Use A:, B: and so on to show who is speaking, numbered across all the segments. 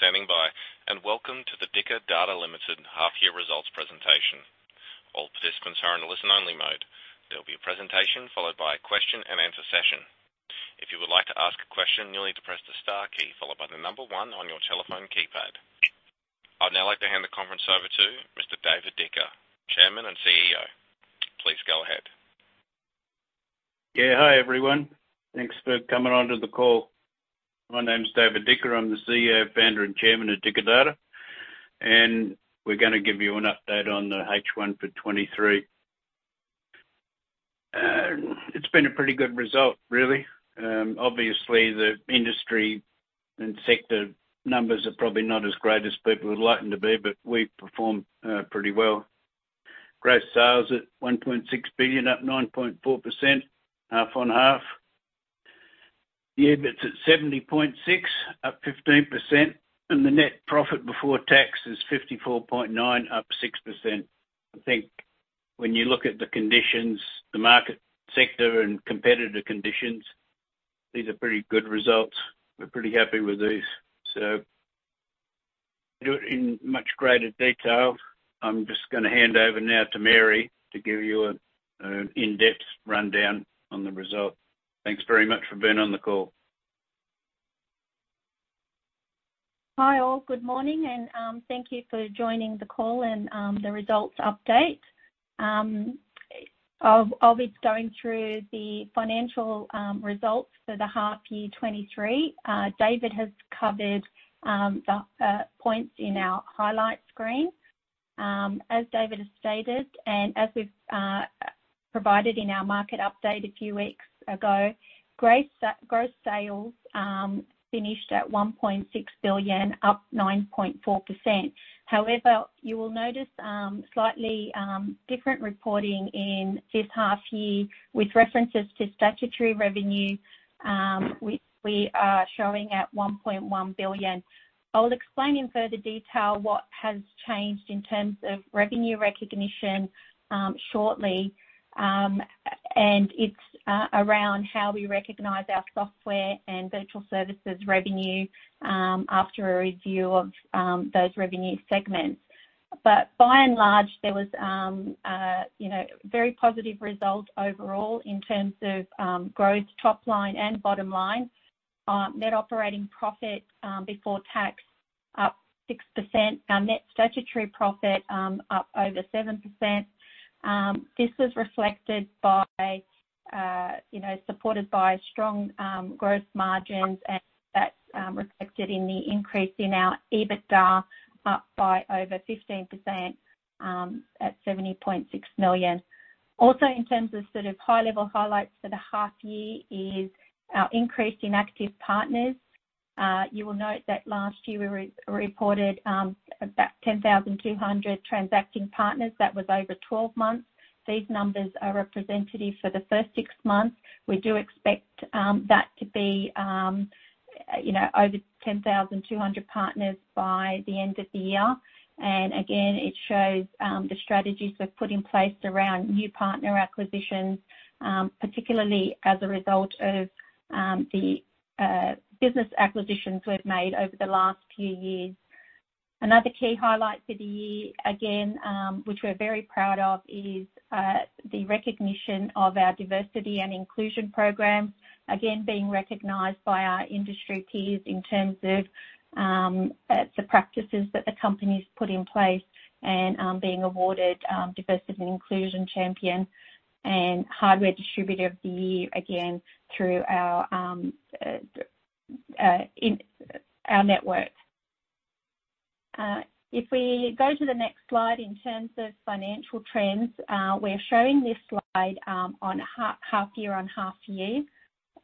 A: Thank you for standing by, and welcome to the Dicker Data Limited half-year results presentation. All participants are in a listen-only mode. There will be a presentation followed by a question-and-answer session. If you would like to ask a question, you'll need to press the star key followed by the number one on your telephone keypad. I'd now like to hand the conference over to Mr. David Dicker, Chairman and CEO. Please go ahead.
B: Yeah. Hi, everyone. Thanks for coming on to the call. My name is David Dicker. I'm the CEO, founder, and chairman of Dicker Data, and we're going to give you an update on the H1 for 2023. It's been a pretty good result, really. Obviously, the industry and sector numbers are probably not as great as people would like them to be, but we performed pretty well. Gross sales at 1.6 billion, up 9.4%, half-on-half. The EBIT's at 70.6, up 15%, and the net profit before tax is 54.9, up 6%. I think when you look at the conditions, the market sector and competitive conditions, these are pretty good results. We're pretty happy with these. So do it in much greater detail. I'm just going to hand over now to Mary to give you an in-depth rundown on the results. Thanks very much for being on the call.
C: Hi, all. Good morning, and thank you for joining the call and the results update. This is going through the financial results for the half year 2023. David has covered the points in our highlight screen. As David has stated, and as we've provided in our market update a few weeks ago, gross sales finished at 1.6 billion, up 9.4%. However, you will notice slightly different reporting in this half year with references to statutory revenue, which we are showing at 1.1 billion. I'll explain in further detail what has changed in terms of revenue recognition shortly, and it's around how we recognize our software and virtual services revenue after a review of those revenue segments. But by and large, there was, you know, very positive results overall in terms of, growth, top line, and bottom line. Net operating profit before tax up 6%, our net statutory profit up over 7%. This was reflected by, you know, supported by strong, growth margins, and that's, reflected in the increase in our EBITDA, up by over 15%, at 70.6 million. Also, in terms of sort of high-level highlights for the half year is our increase in active partners. You will note that last year we reported, about 10,200 transacting partners. That was over 12 months. These numbers are representative for the first 6 months. We do expect, that to be, you know, over 10,200 partners by the end of the year. And again, it shows the strategies we've put in place around new partner acquisitions, particularly as a result of the business acquisitions we've made over the last few years. Another key highlight for the year, again, which we're very proud of, is the recognition of our diversity and inclusion program. Again, being recognized by our industry peers in terms of the practices that the company's put in place and being awarded Diversity and Inclusion Champion and Hardware Distributor of the Year, again, through our network. If we go to the next slide in terms of financial trends, we're showing this slide on half year on half year,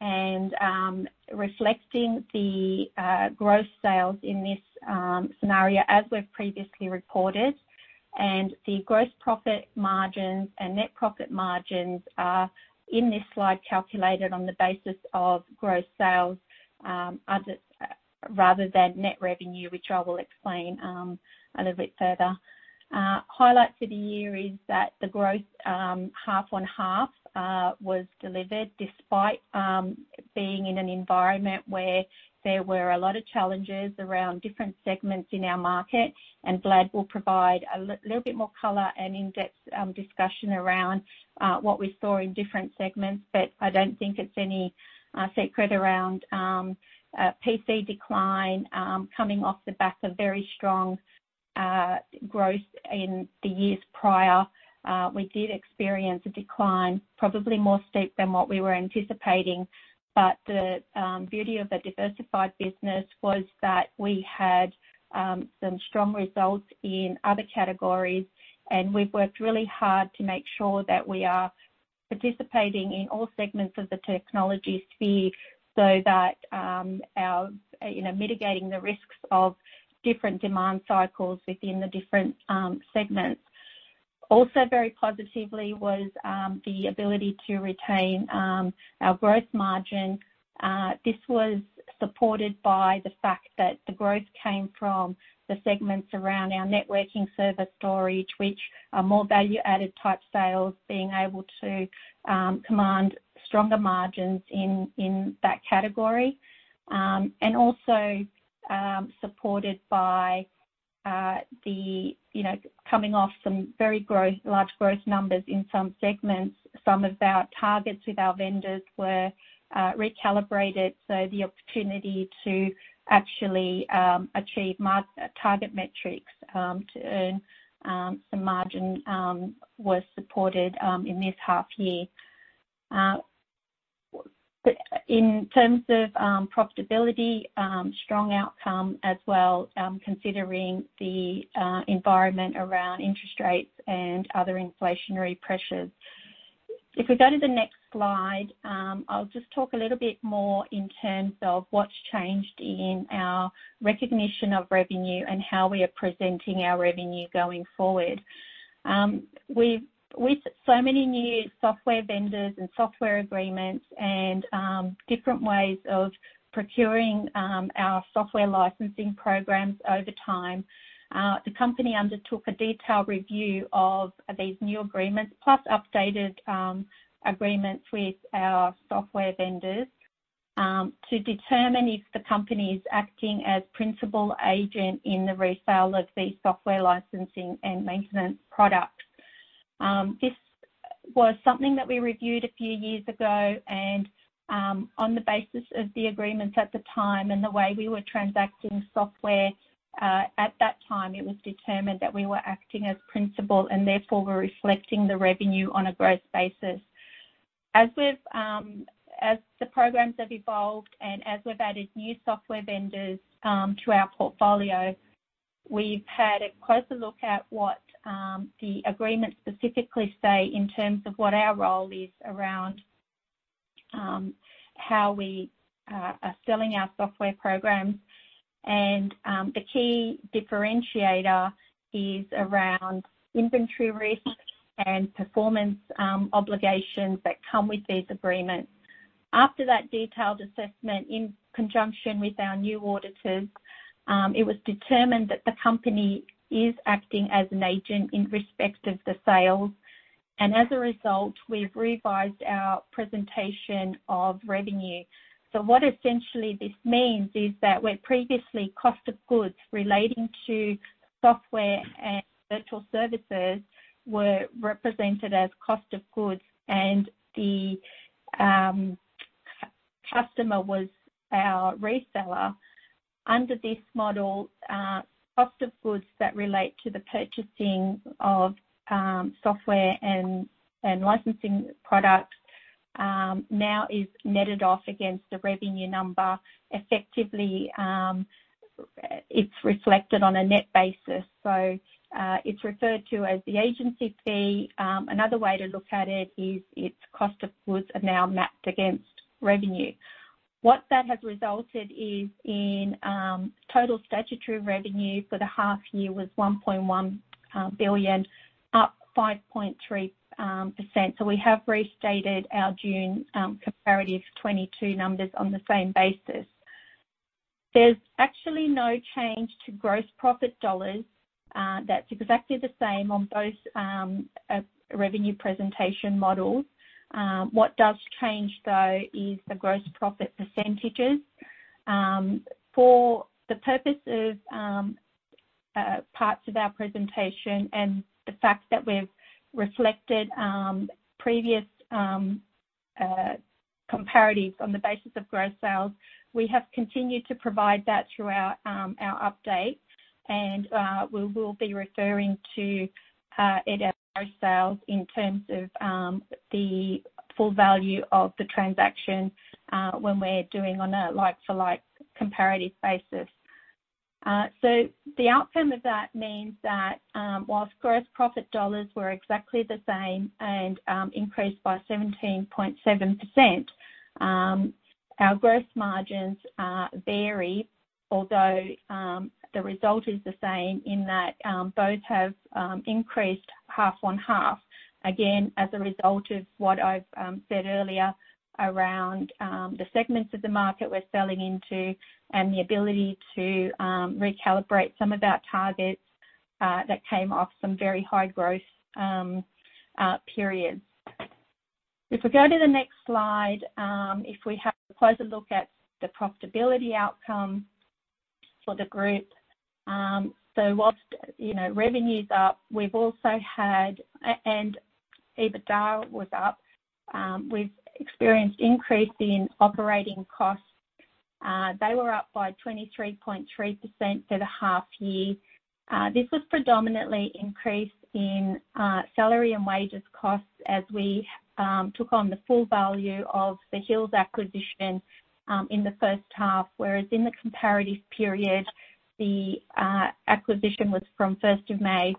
C: and reflecting the gross sales in this scenario as we've previously reported, and the gross profit margins and net profit margins are, in this slide, calculated on the basis of gross sales, rather than net revenue, which I will explain a little bit further. Highlights of the year is that the growth half-on-half was delivered, despite being in an environment where there were a lot of challenges around different segments in our market, and Vlad will provide a little bit more color and in-depth discussion around what we saw in different segments. But I don't think it's any secret around a PC decline coming off the back of very strong growth in the years prior. We did experience a decline, probably more steep than what we were anticipating, but the beauty of the diversified business was that we had some strong results in other categories, and we've worked really hard to make sure that we are participating in all segments of the technology sphere so that our you know mitigating the risks of different demand cycles within the different segments. Also, very positively was the ability to retain our growth margin. This was supported by the fact that the growth came from the segments around our networking servers storage, which are more value-added type sales, being able to command stronger margins in in that category. Also supported by the, you know, coming off some very large growth numbers in some segments. Some of our targets with our vendors were recalibrated, so the opportunity to actually achieve target metrics to earn some margin was supported in this half year. But in terms of profitability, strong outcome as well, considering the environment around interest rates and other inflationary pressures. If we go to the next slide, I'll just talk a little bit more in terms of what's changed in our recognition of revenue and how we are presenting our revenue going forward. We’ve, with so many new software vendors and software agreements and different ways of procuring our software licensing programs over time, the company undertook a detailed review of these new agreements, plus updated agreements with our software vendors, to determine if the company is acting as principal agent in the resale of these software licensing and maintenance products. This was something that we reviewed a few years ago, and on the basis of the agreements at the time and the way we were transacting software at that time, it was determined that we were acting as principal, and therefore we’re reflecting the revenue on a gross basis. As the programs have evolved and as we've added new software vendors to our portfolio, we've had a closer look at what the agreement specifically say in terms of what our role is around how we are selling our software programs. The key differentiator is around inventory risk and performance obligations that come with these agreements. After that detailed assessment, in conjunction with our new auditors, it was determined that the company is acting as an agent in respect of the sales, and as a result, we've revised our presentation of revenue. So what essentially this means is that where previously cost of goods relating to software and virtual services were represented as cost of goods and the customer was our reseller. Under this model, cost of goods that relate to the purchasing of, software and licensing products, now is netted off against the revenue number. Effectively, it's reflected on a net basis, so, it's referred to as the agency fee. Another way to look at it is its cost of goods are now mapped against revenue. What that has resulted in is total statutory revenue for the half year was 1.1 billion, up 5.3%. So we have restated our June comparative 2022 numbers on the same basis. There's actually no change to gross profit dollars. That's exactly the same on both revenue presentation models. What does change, though, is the gross profit percentages. For the purpose of parts of our presentation and the fact that we've reflected previous comparatives on the basis of gross sales, we have continued to provide that throughout our update, and we will be referring to it as gross sales in terms of the full value of the transaction when we're doing on a like-for-like comparative basis. So the outcome of that means that whilst gross profit dollars were exactly the same and increased by 17.7%, our gross margins vary, although the result is the same in that both have increased half-on-half. Again, as a result of what I've said earlier around the segments of the market we're selling into and the ability to recalibrate some of our targets, that came off some very high growth periods. If we go to the next slide, if we have a closer look at the profitability outcome for the group. So whilst, you know, revenue's up, we've also had... And EBITDA was up. We've experienced increase in operating costs. They were up by 23.3% for the half year. This was predominantly increase in salary and wages costs as we took on the full value of the Hills acquisition in the first half, whereas in the comparative period, the acquisition was from first of May.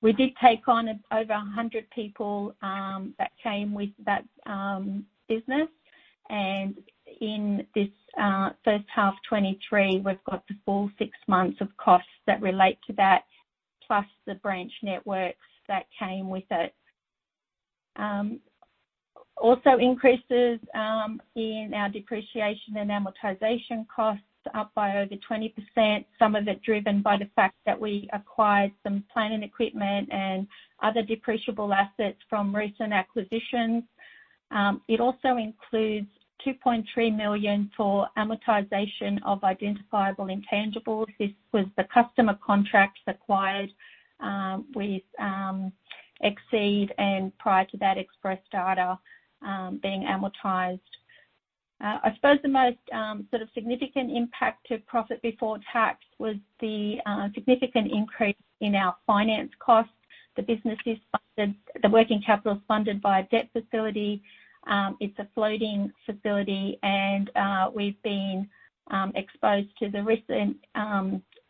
C: We did take on over 100 people that came with that business. In this first half 2023, we've got the full six months of costs that relate to that, plus the branch networks that came with it. Also, increases in our depreciation and amortization costs, up by over 20%, some of it driven by the fact that we acquired some plant and equipment and other depreciable assets from recent acquisitions. It also includes 2.3 million for amortization of identifiable intangibles. This was the customer contracts acquired with Exeed, and prior to that, Express Data, being amortized. I suppose the most sort of significant impact to profit before tax was the significant increase in our finance costs. The business is funded. The working capital is funded by a debt facility. It's a floating facility, and we've been exposed to the recent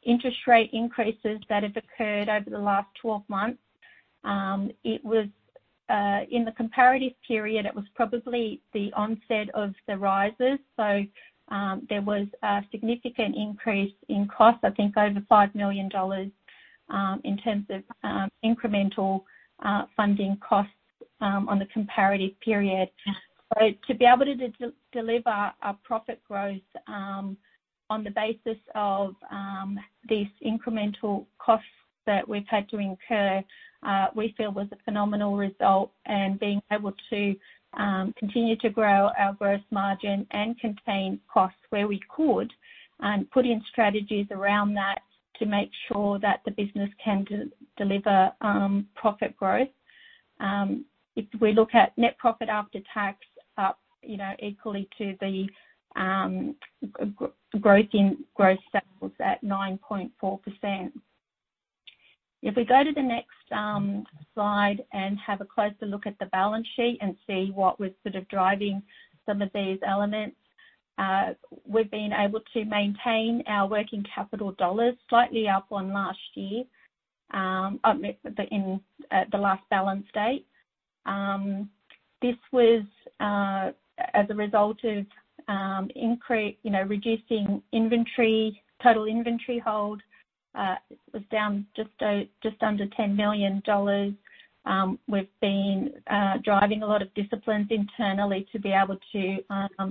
C: interest rate increases that have occurred over the last 12 months. It was in the comparative period, it was probably the onset of the rises. So, there was a significant increase in costs, I think over 5 million dollars, in terms of incremental funding costs on the comparative period. So to be able to deliver a profit growth, on the basis of these incremental costs that we've had to incur, we feel was a phenomenal result, and being able to continue to grow our gross margin and contain costs where we could, and put in strategies around that to make sure that the business can deliver profit growth. If we look at net profit after tax up, you know, equal to the growth in gross sales at 9.4%. If we go to the next slide and have a closer look at the balance sheet and see what was sort of driving some of these elements, we've been able to maintain our working capital dollars slightly up on last year, up minus the inventory in the last balance date. This was as a result of, you know, reducing inventory. Total inventory hold was down just under 10 million dollars. We've been driving a lot of disciplines internally to be able to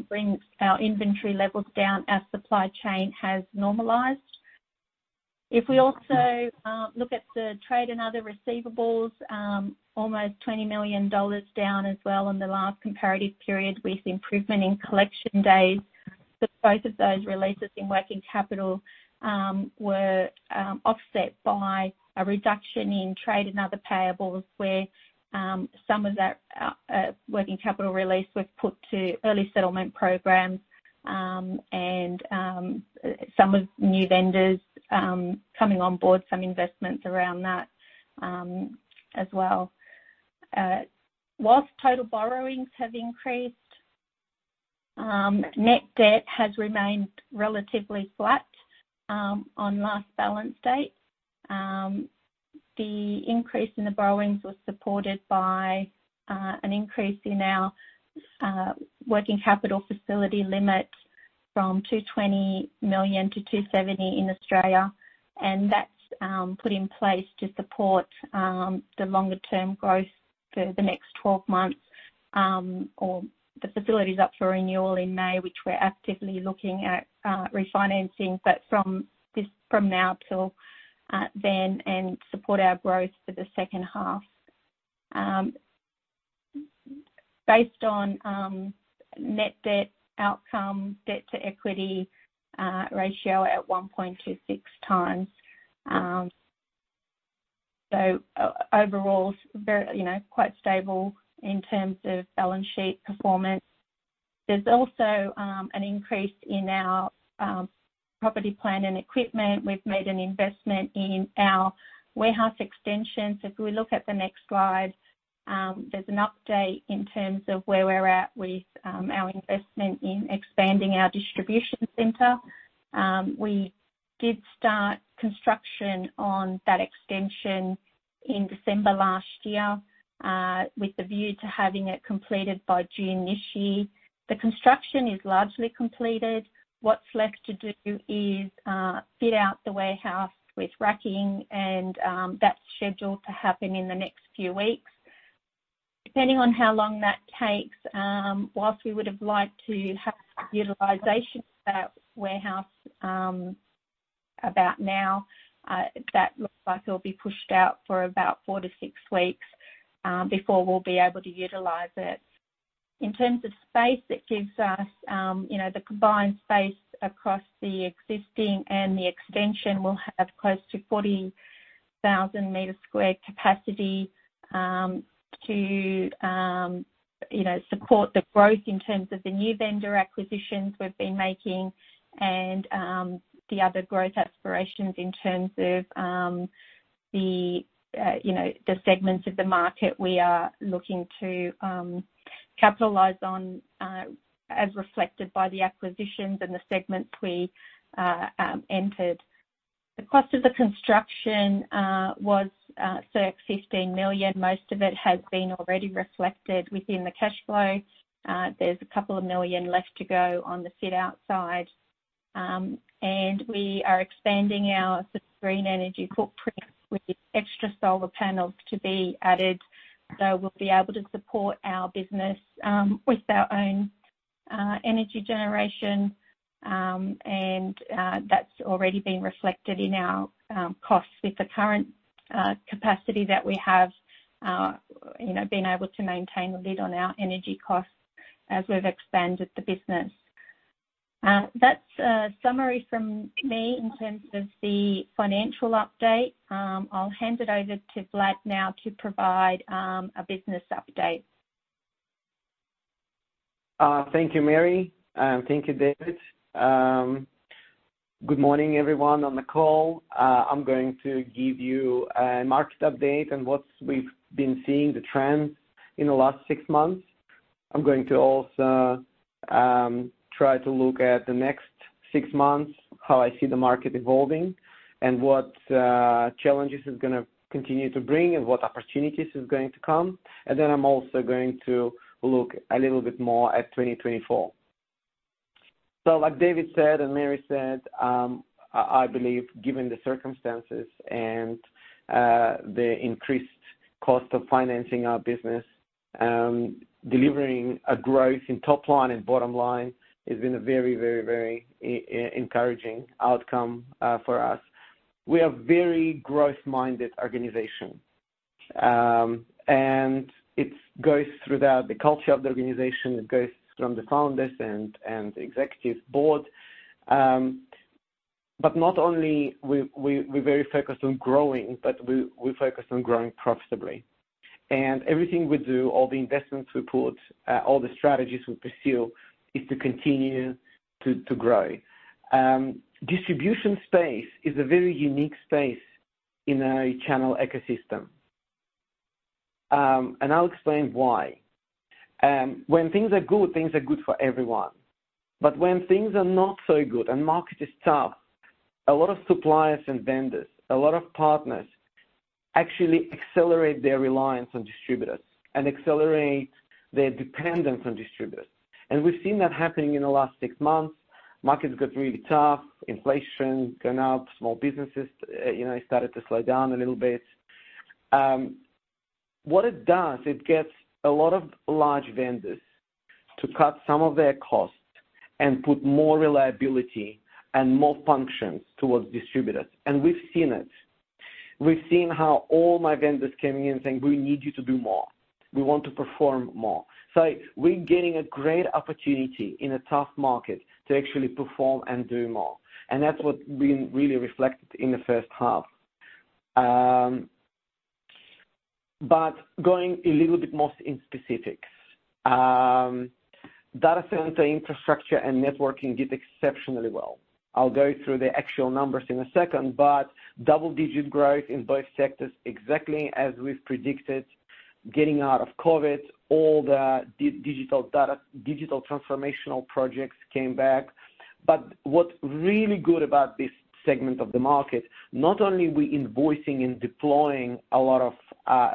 C: bring our inventory levels down. Our supply chain has normalized. If we also look at the trade and other receivables, almost 20 million dollars down as well on the last comparative period with improvement in collection days. But both of those releases in working capital were offset by a reduction in trade and other payables, where some of that working capital release was put to early settlement programs, and some of new vendors coming on board, some investments around that, as well. While total borrowings have increased, net debt has remained relatively flat on last balance date. The increase in the borrowings was supported by an increase in our working capital facility limit from 220 million to 270 million in Australia, and that's put in place to support the longer term growth for the next 12 months. Or the facility is up for renewal in May, which we're actively looking at refinancing, but from now till then, and support our growth for the second half. Based on net debt outcome, debt-to-equity ratio at 1.26 times. So overall, very, you know, quite stable in terms of balance sheet performance. There's also an increase in our property, plant and equipment. We've made an investment in our warehouse extension. So if we look at the next slide, there's an update in terms of where we're at with our investment in expanding our distribution center. We did start construction on that extension in December last year, with the view to having it completed by June this year. The construction is largely completed. What's left to do is, fit out the warehouse with racking and, that's scheduled to happen in the next few weeks. Depending on how long that takes, whilst we would have liked to have utilization of that warehouse, about now, that looks like it'll be pushed out for about 4-6 weeks, before we'll be able to utilize it. In terms of space, it gives us, you know, the combined space across the existing and the extension will have close to 40,000 square meter capacity, to, you know, support the growth in terms of the new vendor acquisitions we've been making and, the other growth aspirations in terms of, the, you know, the segments of the market we are looking to, capitalize on, as reflected by the acquisitions and the segments we, entered. The cost of the construction, was, circa 15 million. Most of it has been already reflected within the cash flow. There's a couple of 2 million left to go on the fit-out side. And we are expanding our green energy footprint with extra solar panels to be added, so we'll be able to support our business, with our own-... Energy generation. And, that's already been reflected in our costs with the current capacity that we have, you know, been able to maintain a lid on our energy costs as we've expanded the business. That's a summary from me in terms of the financial update. I'll hand it over to Vlad now to provide a business update.
D: Thank you, Mary, and thank you, David. Good morning, everyone on the call. I'm going to give you a market update on what we've been seeing, the trends in the last six months. I'm going to also try to look at the next six months, how I see the market evolving, and what challenges is gonna continue to bring and what opportunities is going to come. And then I'm also going to look a little bit more at 2024. So like David said and Mary said, I believe, given the circumstances and the increased cost of financing our business, delivering a growth in top line and bottom line has been a very, very, very encouraging outcome for us. We are a very growth-minded organization. And it goes throughout the culture of the organization. It goes from the founders and the executives board. But not only we, we're very focused on growing, but we focus on growing profitably. And everything we do, all the investments we put, all the strategies we pursue, is to continue to grow. Distribution space is a very unique space in a channel ecosystem. And I'll explain why. When things are good, things are good for everyone. But when things are not so good and market is tough, a lot of suppliers and vendors, a lot of partners, actually accelerate their reliance on distributors and accelerate their dependence on distributors. And we've seen that happening in the last six months. Markets got really tough, inflation gone up, small businesses, you know, started to slow down a little bit. What it does, it gets a lot of large vendors to cut some of their costs and put more reliability and more functions towards distributors. And we've seen it. We've seen how all my vendors came in saying, "We need you to do more. We want to perform more." So we're getting a great opportunity in a tough market to actually perform and do more, and that's what we really reflected in the first half. But going a little bit more in specifics. Data center, infrastructure, and networking did exceptionally well. I'll go through the actual numbers in a second, but double-digit growth in both sectors, exactly as we've predicted, getting out of COVID, all the digital data, digital transformational projects came back. But what's really good about this segment of the market, not only we invoicing and deploying a lot of,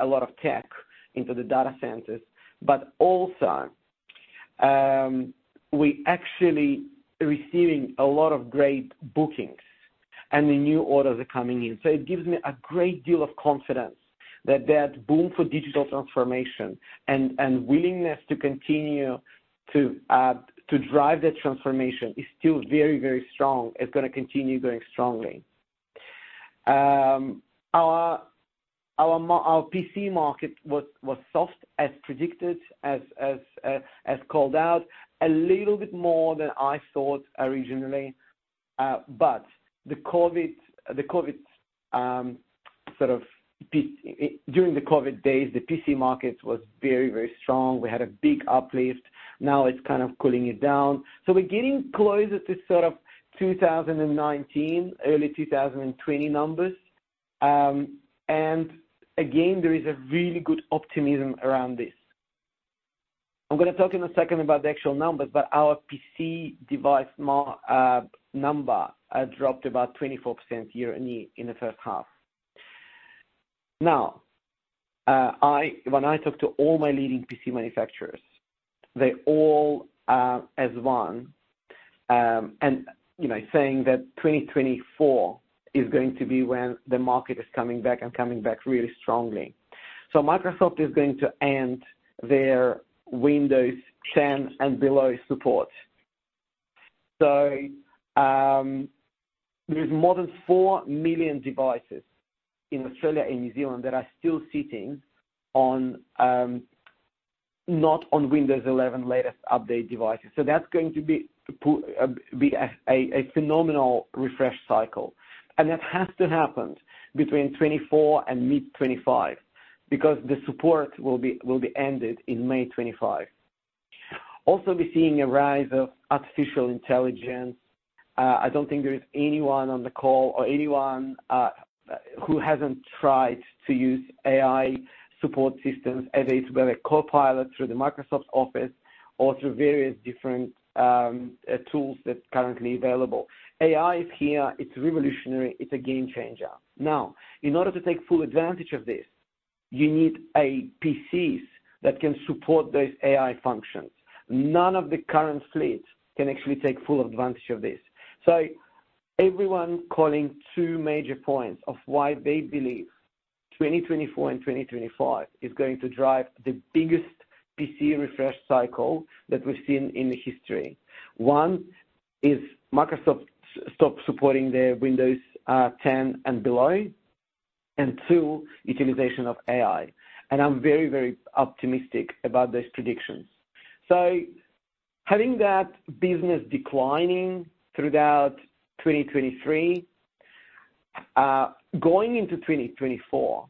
D: a lot of tech into the data centers, but also, we actually receiving a lot of great bookings, and the new orders are coming in. So it gives me a great deal of confidence that that boom for digital transformation and willingness to continue to, to drive that transformation is still very, very strong. It's gonna continue going strongly. Our PC market was soft as predicted, as called out, a little bit more than I thought originally. But the COVID during the COVID days, the PC market was very, very strong. We had a big uplift. Now it's kind of cooling it down. So we're getting closer to sort of 2019, early 2020 numbers. And again, there is a really good optimism around this. I'm gonna talk in a second about the actual numbers, but our PC device market number dropped about 24% year-on-year in the first half. Now, when I talk to all my leading PC manufacturers, they all, as one, and, you know, saying that 2024 is going to be when the market is coming back and coming back really strongly. So Microsoft is going to end their Windows 10 and below support. So, there is more than 4 million devices in Australia and New Zealand that are still sitting on, not on Windows 11 latest update devices. So that's going to be a phenomenal refresh cycle, and that has to happen between 2024 and mid-2025 because the support will be ended in May 2025. Also, we're seeing a rise of artificial intelligence. I don't think there is anyone on the call or anyone who hasn't tried to use AI support systems, whether it's with a Copilot through the Microsoft Office or through various different tools that's currently available. AI is here. It's revolutionary. It's a game changer. Now, in order to take full advantage of this, you need a PCs that can support those AI functions. None of the current fleets can actually take full advantage of this. So everyone calling two major points of why they believe-... 2024 and 2025 is going to drive the biggest PC refresh cycle that we've seen in the history. One, is Microsoft stopping supporting their Windows 10 and below, and two, utilization of AI. And I'm very, very optimistic about these predictions. So having that business declining throughout 2023, going into 2024,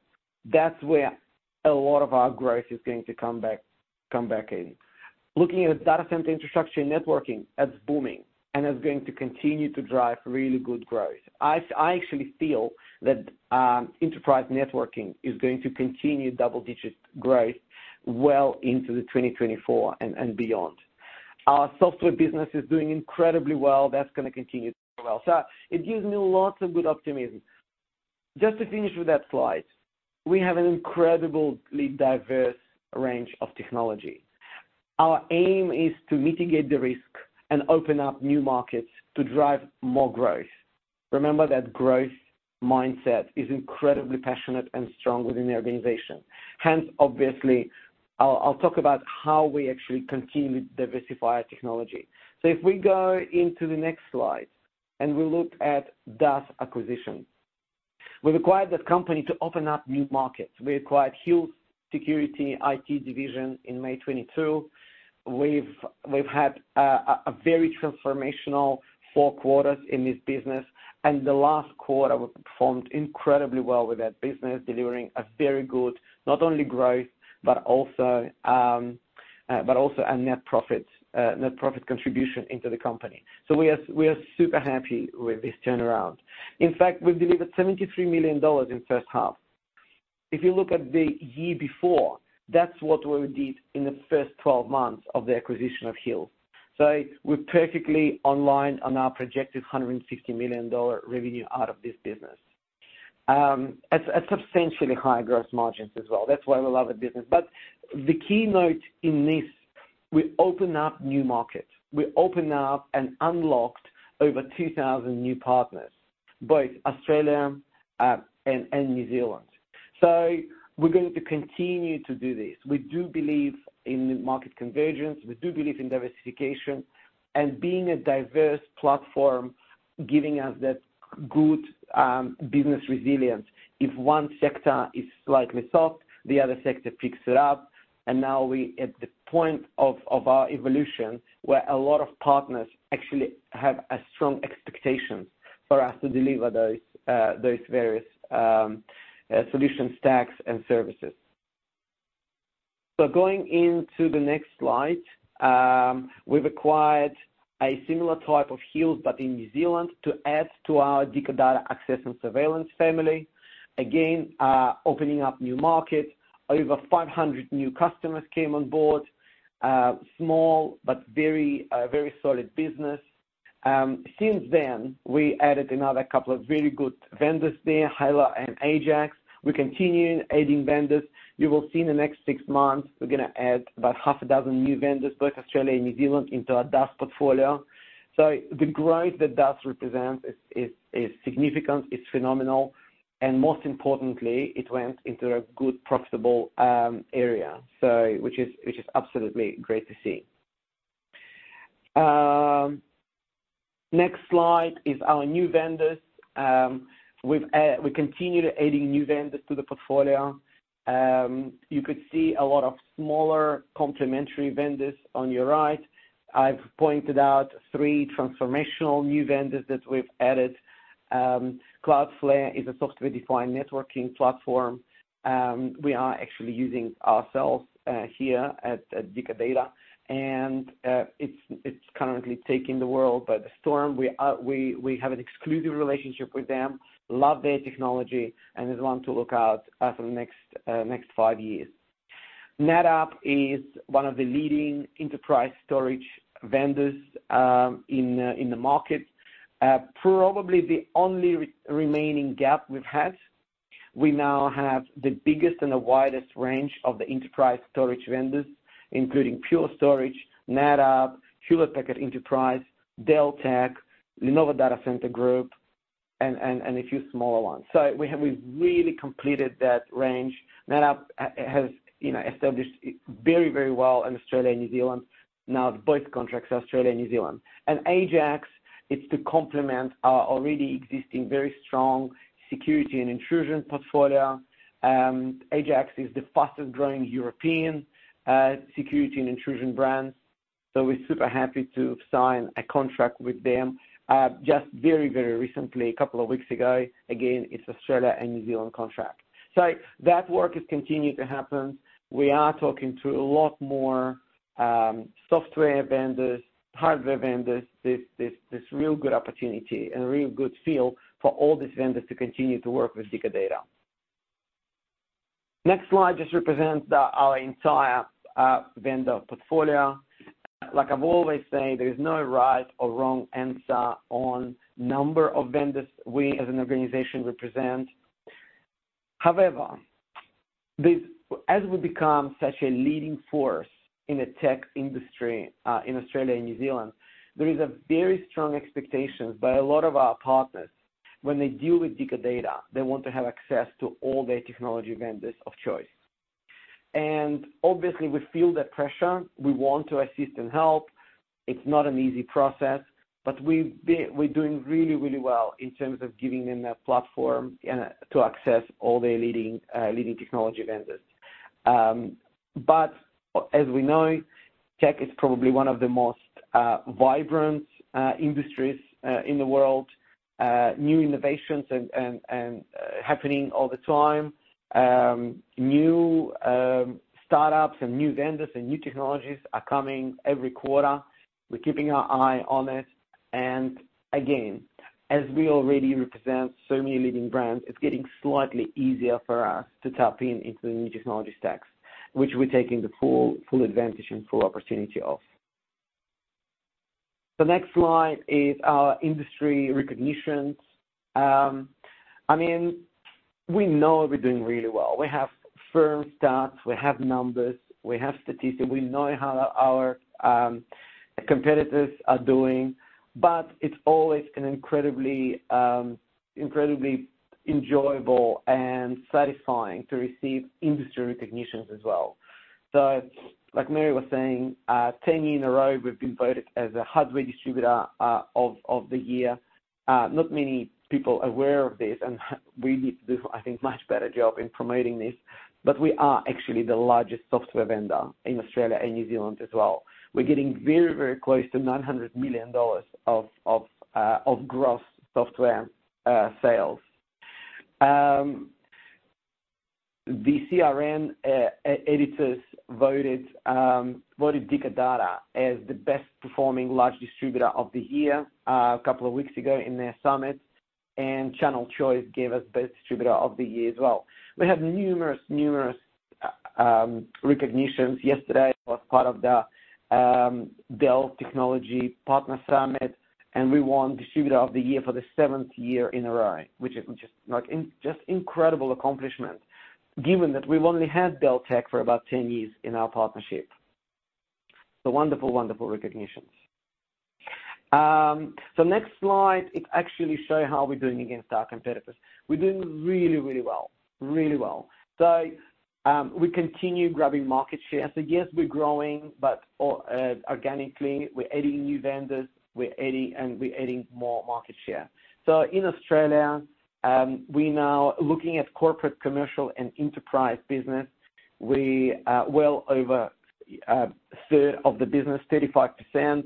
D: that's where a lot of our growth is going to come back, come back in. Looking at data center infrastructure and networking, that's booming, and is going to continue to drive really good growth. I actually feel that enterprise networking is going to continue double-digit growth well into the 2024 and beyond. Our software business is doing incredibly well. That's gonna continue to do well. So it gives me lots of good optimism. Just to finish with that slide, we have an incredibly diverse range of technology. Our aim is to mitigate the risk and open up new markets to drive more growth. Remember that growth mindset is incredibly passionate and strong within the organization. Hence, obviously, I'll talk about how we actually continue to diversify our technology. So if we go into the next slide, and we look at DAS acquisitions. We've acquired that company to open up new markets. We acquired Hills Security IT division in May 2022. We've had a very transformational 4 quarters in this business, and the last quarter we performed incredibly well with that business, delivering a very good, not only growth, but also a net profit contribution into the company. So we are super happy with this turnaround. In fact, we've delivered 73 million dollars in first half. If you look at the year before, that's what we did in the first 12 months of the acquisition of Hills. So we're perfectly online on our projected 160 million dollar revenue out of this business. At substantially higher gross margins as well. That's why we love the business. But the key note in this, we open up new markets. We open up and unlocked over 2,000 new partners, both Australia and New Zealand. So we're going to continue to do this. We do believe in market convergence, we do believe in diversification, and being a diverse platform, giving us that good business resilience. If one sector is slightly soft, the other sector picks it up, and now we at the point of our evolution, where a lot of partners actually have a strong expectation for us to deliver those various solution stacks and services. So going into the next slide, we've acquired a similar type of Hills, but in New Zealand, to add to our Dicker Data Access and Surveillance family. Again, opening up new markets. Over 500 new customers came on board. Small but very solid business. Since then, we added another couple of very good vendors there, Halo and Ajax. We're continuing adding vendors. You will see in the next 6 months, we're gonna add about half a dozen new vendors, both Australia and New Zealand, into our DAS portfolio. So the growth that DAS represents is significant, it's phenomenal, and most importantly, it went into a good, profitable area, which is absolutely great to see. Next slide is our new vendors. We continue adding new vendors to the portfolio. You could see a lot of smaller complementary vendors on your right. I've pointed out three transformational new vendors that we've added. Cloudflare is a software-defined networking platform, we are actually using ourselves here at Dicker Data. And it's currently taking the world by the storm. We have an exclusive relationship with them, love their technology, and is one to look out for the next five years. NetApp is one of the leading enterprise storage vendors in the market. Probably the only remaining gap we've had. We now have the biggest and the widest range of the enterprise storage vendors, including Pure Storage, NetApp, Hewlett Packard Enterprise, Dell Tech, Lenovo Data Center Group, and a few smaller ones. So we have... we've really completed that range. NetApp has, you know, established very, very well in Australia and New Zealand. Now, both contracts are Australia and New Zealand. And Ajax, it's to complement our already existing, very strong security and intrusion portfolio. Ajax is the fastest growing European security and intrusion brand, so we're super happy to sign a contract with them just very, very recently, a couple of weeks ago. Again, it's Australia and New Zealand contract. So that work is continuing to happen. We are talking to a lot more software vendors, hardware vendors. This real good opportunity and a real good feel for all these vendors to continue to work with Dicker Data. Next slide just represents our entire vendor portfolio. Like I've always said, there's no right or wrong answer on number of vendors we, as an organization, represent. However, as we become such a leading force in the tech industry in Australia and New Zealand, there is a very strong expectations by a lot of our partners. When they deal with Dicker Data, they want to have access to all their technology vendors of choice. And obviously, we feel that pressure. We want to assist and help. It's not an easy process, but we've been—we're doing really, really well in terms of giving them that platform to access all the leading, leading technology vendors. But as we know, tech is probably one of the most vibrant industries in the world. New innovations happening all the time. New startups and new vendors and new technologies are coming every quarter. We're keeping our eye on it, and again, as we already represent so many leading brands, it's getting slightly easier for us to tap in into the new technology stacks, which we're taking the full advantage and full opportunity of. The next slide is our industry recognitions. I mean, we know we're doing really well. We have firm stats, we have numbers, we have statistics, we know how our competitors are doing, but it's always an incredibly enjoyable and satisfying to receive industry recognitions as well. So like Mary was saying, 10-year in a row, we've been voted as a hardware distributor of the year. Not many people are aware of this, and we need to do, I think, much better job in promoting this, but we are actually the largest software vendor in Australia and New Zealand as well. We're getting very, very close to 900 million dollars of gross software sales. The CRN editors voted Dicker Data as the best performing large distributor of the year, a couple of weeks ago in their summit, and Channel Choice gave us Best Distributor of the Year as well. We have numerous recognitions. Yesterday, I was part of the Dell Technologies Partner Summit, and we won Distributor of the Year for the seventh year in a row, which is just like just incredible accomplishment, given that we've only had Dell Technologies for about 10 years in our partnership. So wonderful, wonderful recognitions. So next slide, it actually show how we're doing against our competitors. We're doing really, really well. Really well. So, we continue grabbing market share. So yes, we're growing, but organically, we're adding new vendors, we're adding, and we're adding more market share. So in Australia, we now looking at corporate, commercial, and enterprise business. We well over third of the business, 35%,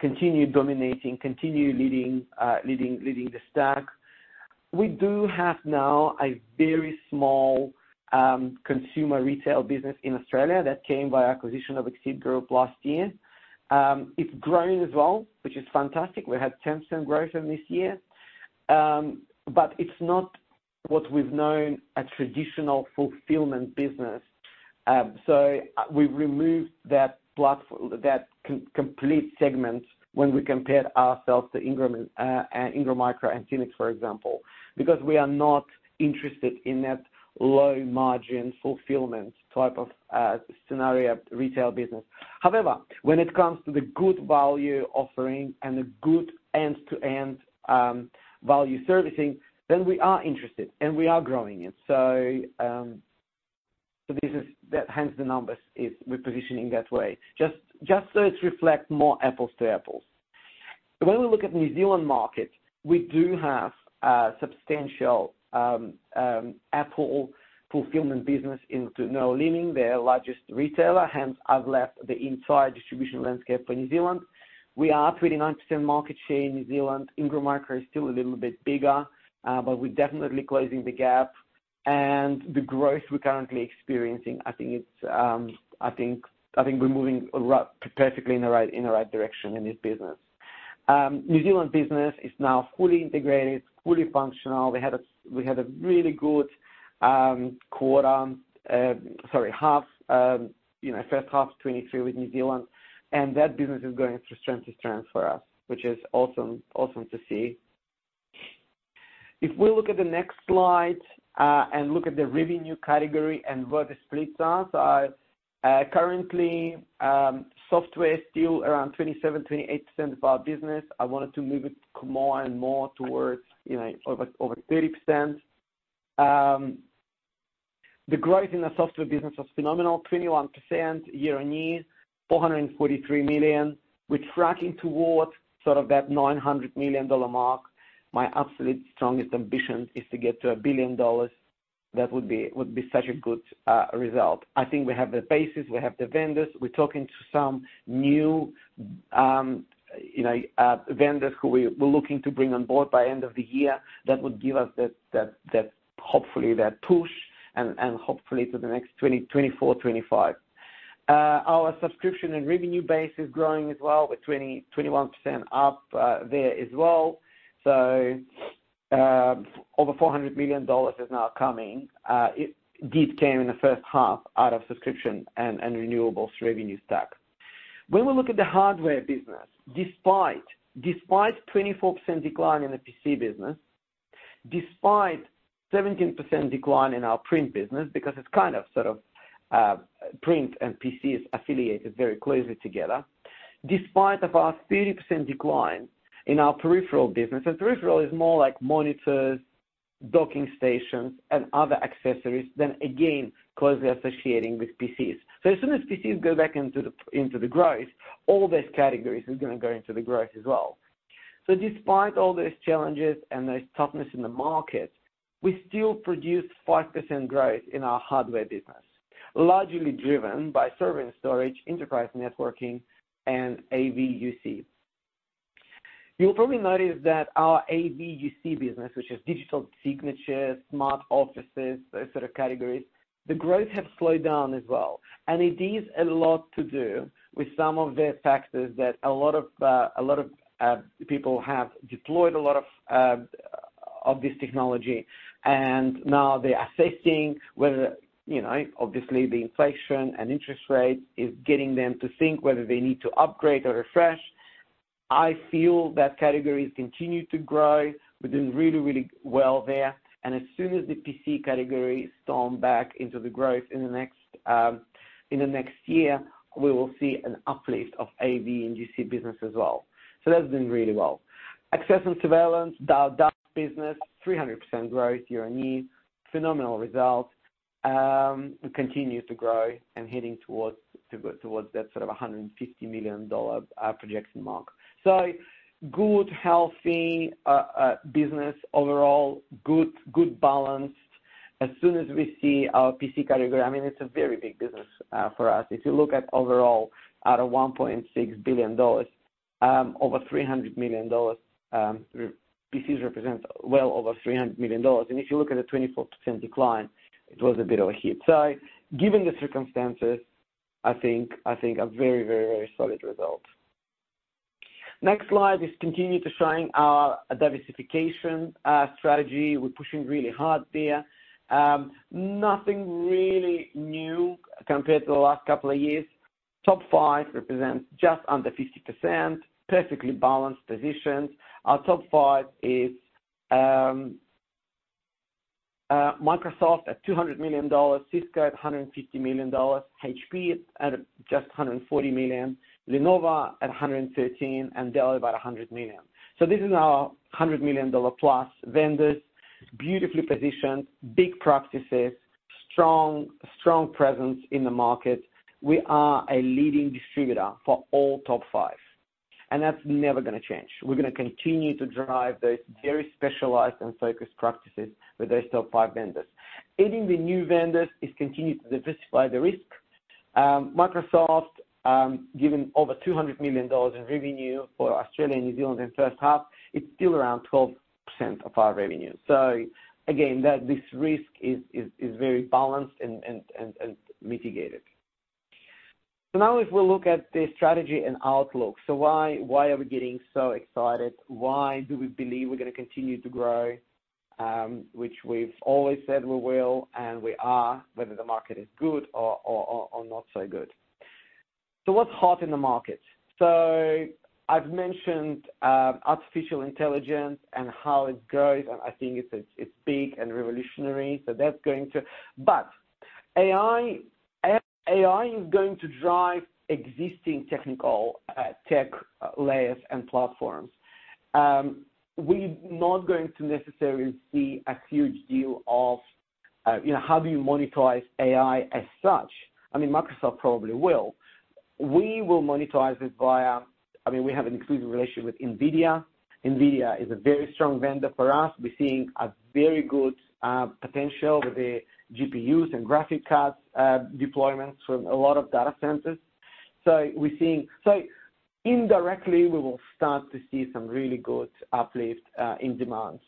D: continue dominating, continue leading, leading, leading the stack. We do have now a very small, consumer retail business in Australia that came by acquisition of Exeed Group last year. It's growing as well, which is fantastic. We had 10% growth in this year. But it's not what we've known a traditional fulfillment business. So we've removed that platform, that complete segment when we compared ourselves to Ingram, Ingram Micro and Synnex, for example, because we are not interested in that low-margin, fulfillment type of, scenario retail business. However, when it comes to the good value offering and the good end-to-end, value servicing, then we are interested, and we are growing it. So, so this is... hence, the numbers is we're positioning that way, just, just so it reflect more apples to apples. When we look at the New Zealand market, we do have a substantial Apple fulfillment business into Noel Leeming, their largest retailer, hence, I've left the entire distribution landscape for New Zealand. We are at 29% market share in New Zealand. Ingram Micro is still a little bit bigger, but we're definitely closing the gap. And the growth we're currently experiencing, I think we're moving perfectly in the right direction in this business. New Zealand business is now fully integrated, fully functional. We had a really good quarter, sorry, half, you know, first half 2023 with New Zealand, and that business is going from strength to strength for us, which is awesome, awesome to see. If we look at the next slide and look at the revenue category and what the splits are. So, currently, software is still around 27%-28% of our business. I wanted to move it more and more towards, you know, over 30%. The growth in the software business was phenomenal, 21% year-on-year, 443 million. We're tracking towards sort of that 900 million dollar mark. My absolute strongest ambition is to get to 1 billion dollars. That would be such a good result. I think we have the basis, we have the vendors. We're talking to some new, you know, vendors who we're looking to bring on board by end of the year. That would give us that, hopefully that push and hopefully to the next 2024-2025. Our subscription and revenue base is growing as well, with 21% up there as well. So, over 400 million dollars is now coming. It did came in the first half out of subscription and renewables revenue stack. When we look at the hardware business, despite 24% decline in the PC business, despite 17% decline in our print business, because it's kind of sort of print and PCs affiliated very closely together. Despite about 30% decline in our peripheral business, and peripheral is more like monitors, docking stations, and other accessories, then again, closely associating with PCs. So as soon as PCs go back into the growth, all these categories is gonna go into the growth as well. So despite all these challenges and the toughness in the market, we still produced 5% growth in our hardware business, largely driven by server and storage, enterprise networking, and AV/UC. You'll probably notice that our AV/UC business, which is digital signage, smart offices, those sort of categories, the growth have slowed down as well. And it is a lot to do with some of the factors that a lot of, a lot of, people have deployed a lot of, of this technology, and now they're assessing whether, you know, obviously, the inflation and interest rate is getting them to think whether they need to upgrade or refresh. I feel that category has continued to grow. We're doing really, really well there, and as soon as the PC category storms back into the growth in the next year, we will see an uplift of AV and UC business as well. So that's doing really well. Access and surveillance, DAS, DAS business, 300% growth year-on-year. Phenomenal results, continue to grow and heading towards that sort of 150 million dollar projection mark. So good, healthy business overall. Good, good balance. As soon as we see our PC category, I mean, it's a very big business for us. If you look at overall, out of 1.6 billion dollars, over 300 million dollars, PCs represents well over 300 million dollars. And if you look at the 24% decline, it was a bit of a hit. So given the circumstances, I think, I think a very, very, very solid result. Next slide is continue to showing our diversification strategy. We're pushing really hard there. Nothing really new compared to the last couple of years. Top five represents just under 50%, perfectly balanced positions. Our top five is Microsoft at 200 million dollars, Cisco at 150 million dollars, HP at just 140 million, Lenovo at 113 million, and Dell about 100 million. So this is our 100 million dollar plus vendors, beautifully positioned, big practices, strong, strong presence in the market. We are a leading distributor for all top five, and that's never gonna change. We're gonna continue to drive those very specialized and focused practices with those top five vendors. Adding the new vendors is continued to diversify the risk. Microsoft, given over 200 million dollars in revenue for Australia and New Zealand in the first half, it's still around 12% of our revenue. So again, that this risk is very balanced and mitigated. So now if we look at the strategy and outlook, so why are we getting so excited? Why do we believe we're gonna continue to grow, which we've always said we will, and we are, whether the market is good or not so good? So what's hot in the market? So I've mentioned artificial intelligence and how it goes, and I think it's big and revolutionary, so that's going to... But AI, AI is going to drive existing technical, tech layers and platforms. We're not going to necessarily see a huge deal of, you know, how do you monetize AI as such. I mean, Microsoft probably will. We will monetize it via. I mean, we have an exclusive relationship with NVIDIA. NVIDIA is a very strong vendor for us. We're seeing a very good potential with the GPUs and graphic cards, deployments from a lot of data centers. So we're seeing. So indirectly, we will start to see some really good uplift in demands.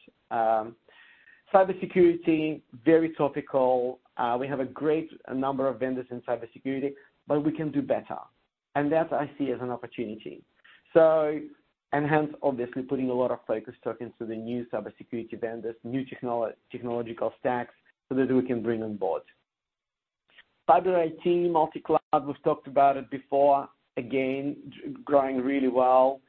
D: Cybersecurity, very topical. We have a great number of vendors in cybersecurity, but we can do better, and that I see as an opportunity. And hence, obviously, putting a lot of focus talking to the new cybersecurity vendors, new technological stacks, so that we can bring on board. Hybrid IT, multi-cloud, we've talked about it before. Again, growing really well.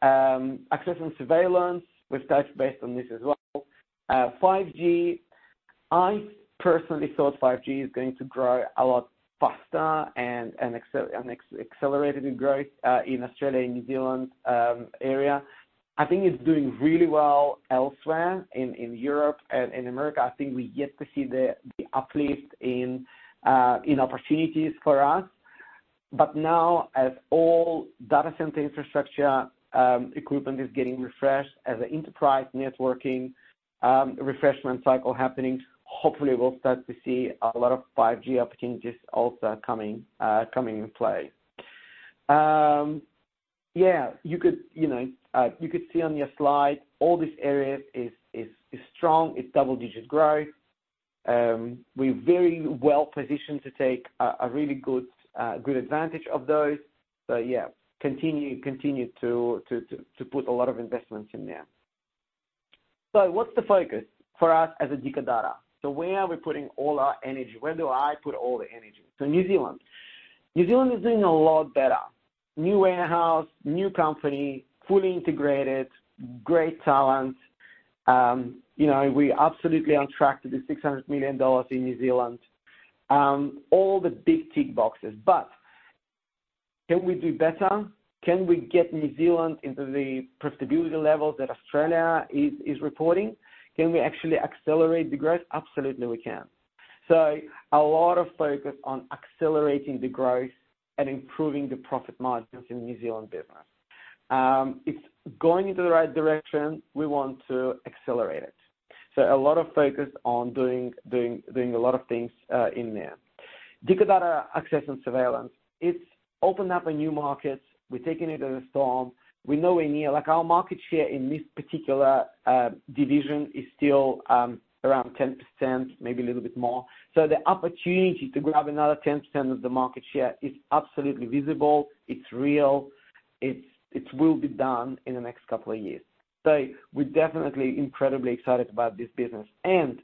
D: Access and surveillance, we've touched base on this as well. 5G. I personally thought 5G is going to grow a lot faster and accelerated growth in Australia and New Zealand area. I think it's doing really well elsewhere in Europe and in America. I think we're yet to see the uplift in opportunities for us. But now, as all data center infrastructure equipment is getting refreshed, as the enterprise networking refreshment cycle happening, hopefully we'll start to see a lot of 5G opportunities also coming in play. Yeah, you could, you know, you could see on your slide, all these areas is strong, it's double-digit growth. We're very well positioned to take a really good advantage of those. So yeah, continue to put a lot of investments in there. So what's the focus for us as a Dicker Data? So where are we putting all our energy? Where do I put all the energy? So New Zealand. New Zealand is doing a lot better. New warehouse, new company, fully integrated, great talent. You know, we're absolutely on track to do 600 million dollars in New Zealand. All the big tick boxes. But can we do better? Can we get New Zealand into the profitability levels that Australia is reporting? Can we actually accelerate the growth? Absolutely, we can. So a lot of focus on accelerating the growth and improving the profit margins in the New Zealand business. It's going in the right direction. We want to accelerate it. So a lot of focus on doing, doing, doing a lot of things in there. Dicker Data Access and Surveillance, it's opened up a new market. We're taking it by storm. We know we need-- Like, our market share in this particular division is still around 10%, maybe a little bit more. So the opportunity to grab another 10% of the market share is absolutely visible, it's real, it will be done in the next couple of years. So we're definitely incredibly excited about this business, and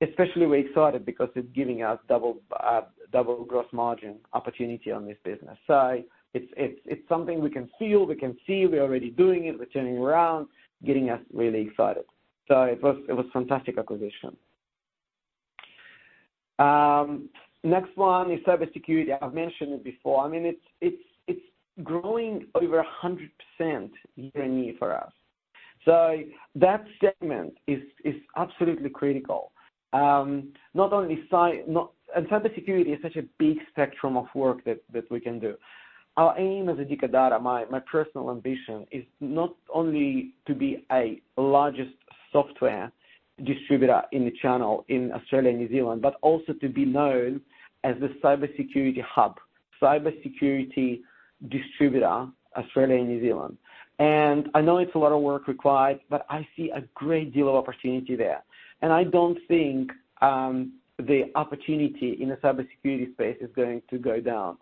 D: especially we're excited because it's giving us double, double gross margin opportunity on this business. So it's something we can feel, we can see, we're already doing it, we're turning around, getting us really excited. So it was fantastic acquisition. Next one is cybersecurity. I've mentioned it before. I mean, it's growing over 100% year-on-year for us. So that segment is absolutely critical. Not only and cybersecurity is such a big spectrum of work that we can do. Our aim as a Dicker Data, my personal ambition is not only to be a largest software distributor in the channel in Australia and New Zealand, but also to be known as the cybersecurity hub, cybersecurity distributor, Australia and New Zealand. And I know it's a lot of work required, but I see a great deal of opportunity there. I don't think the opportunity in the cybersecurity space is going to go down.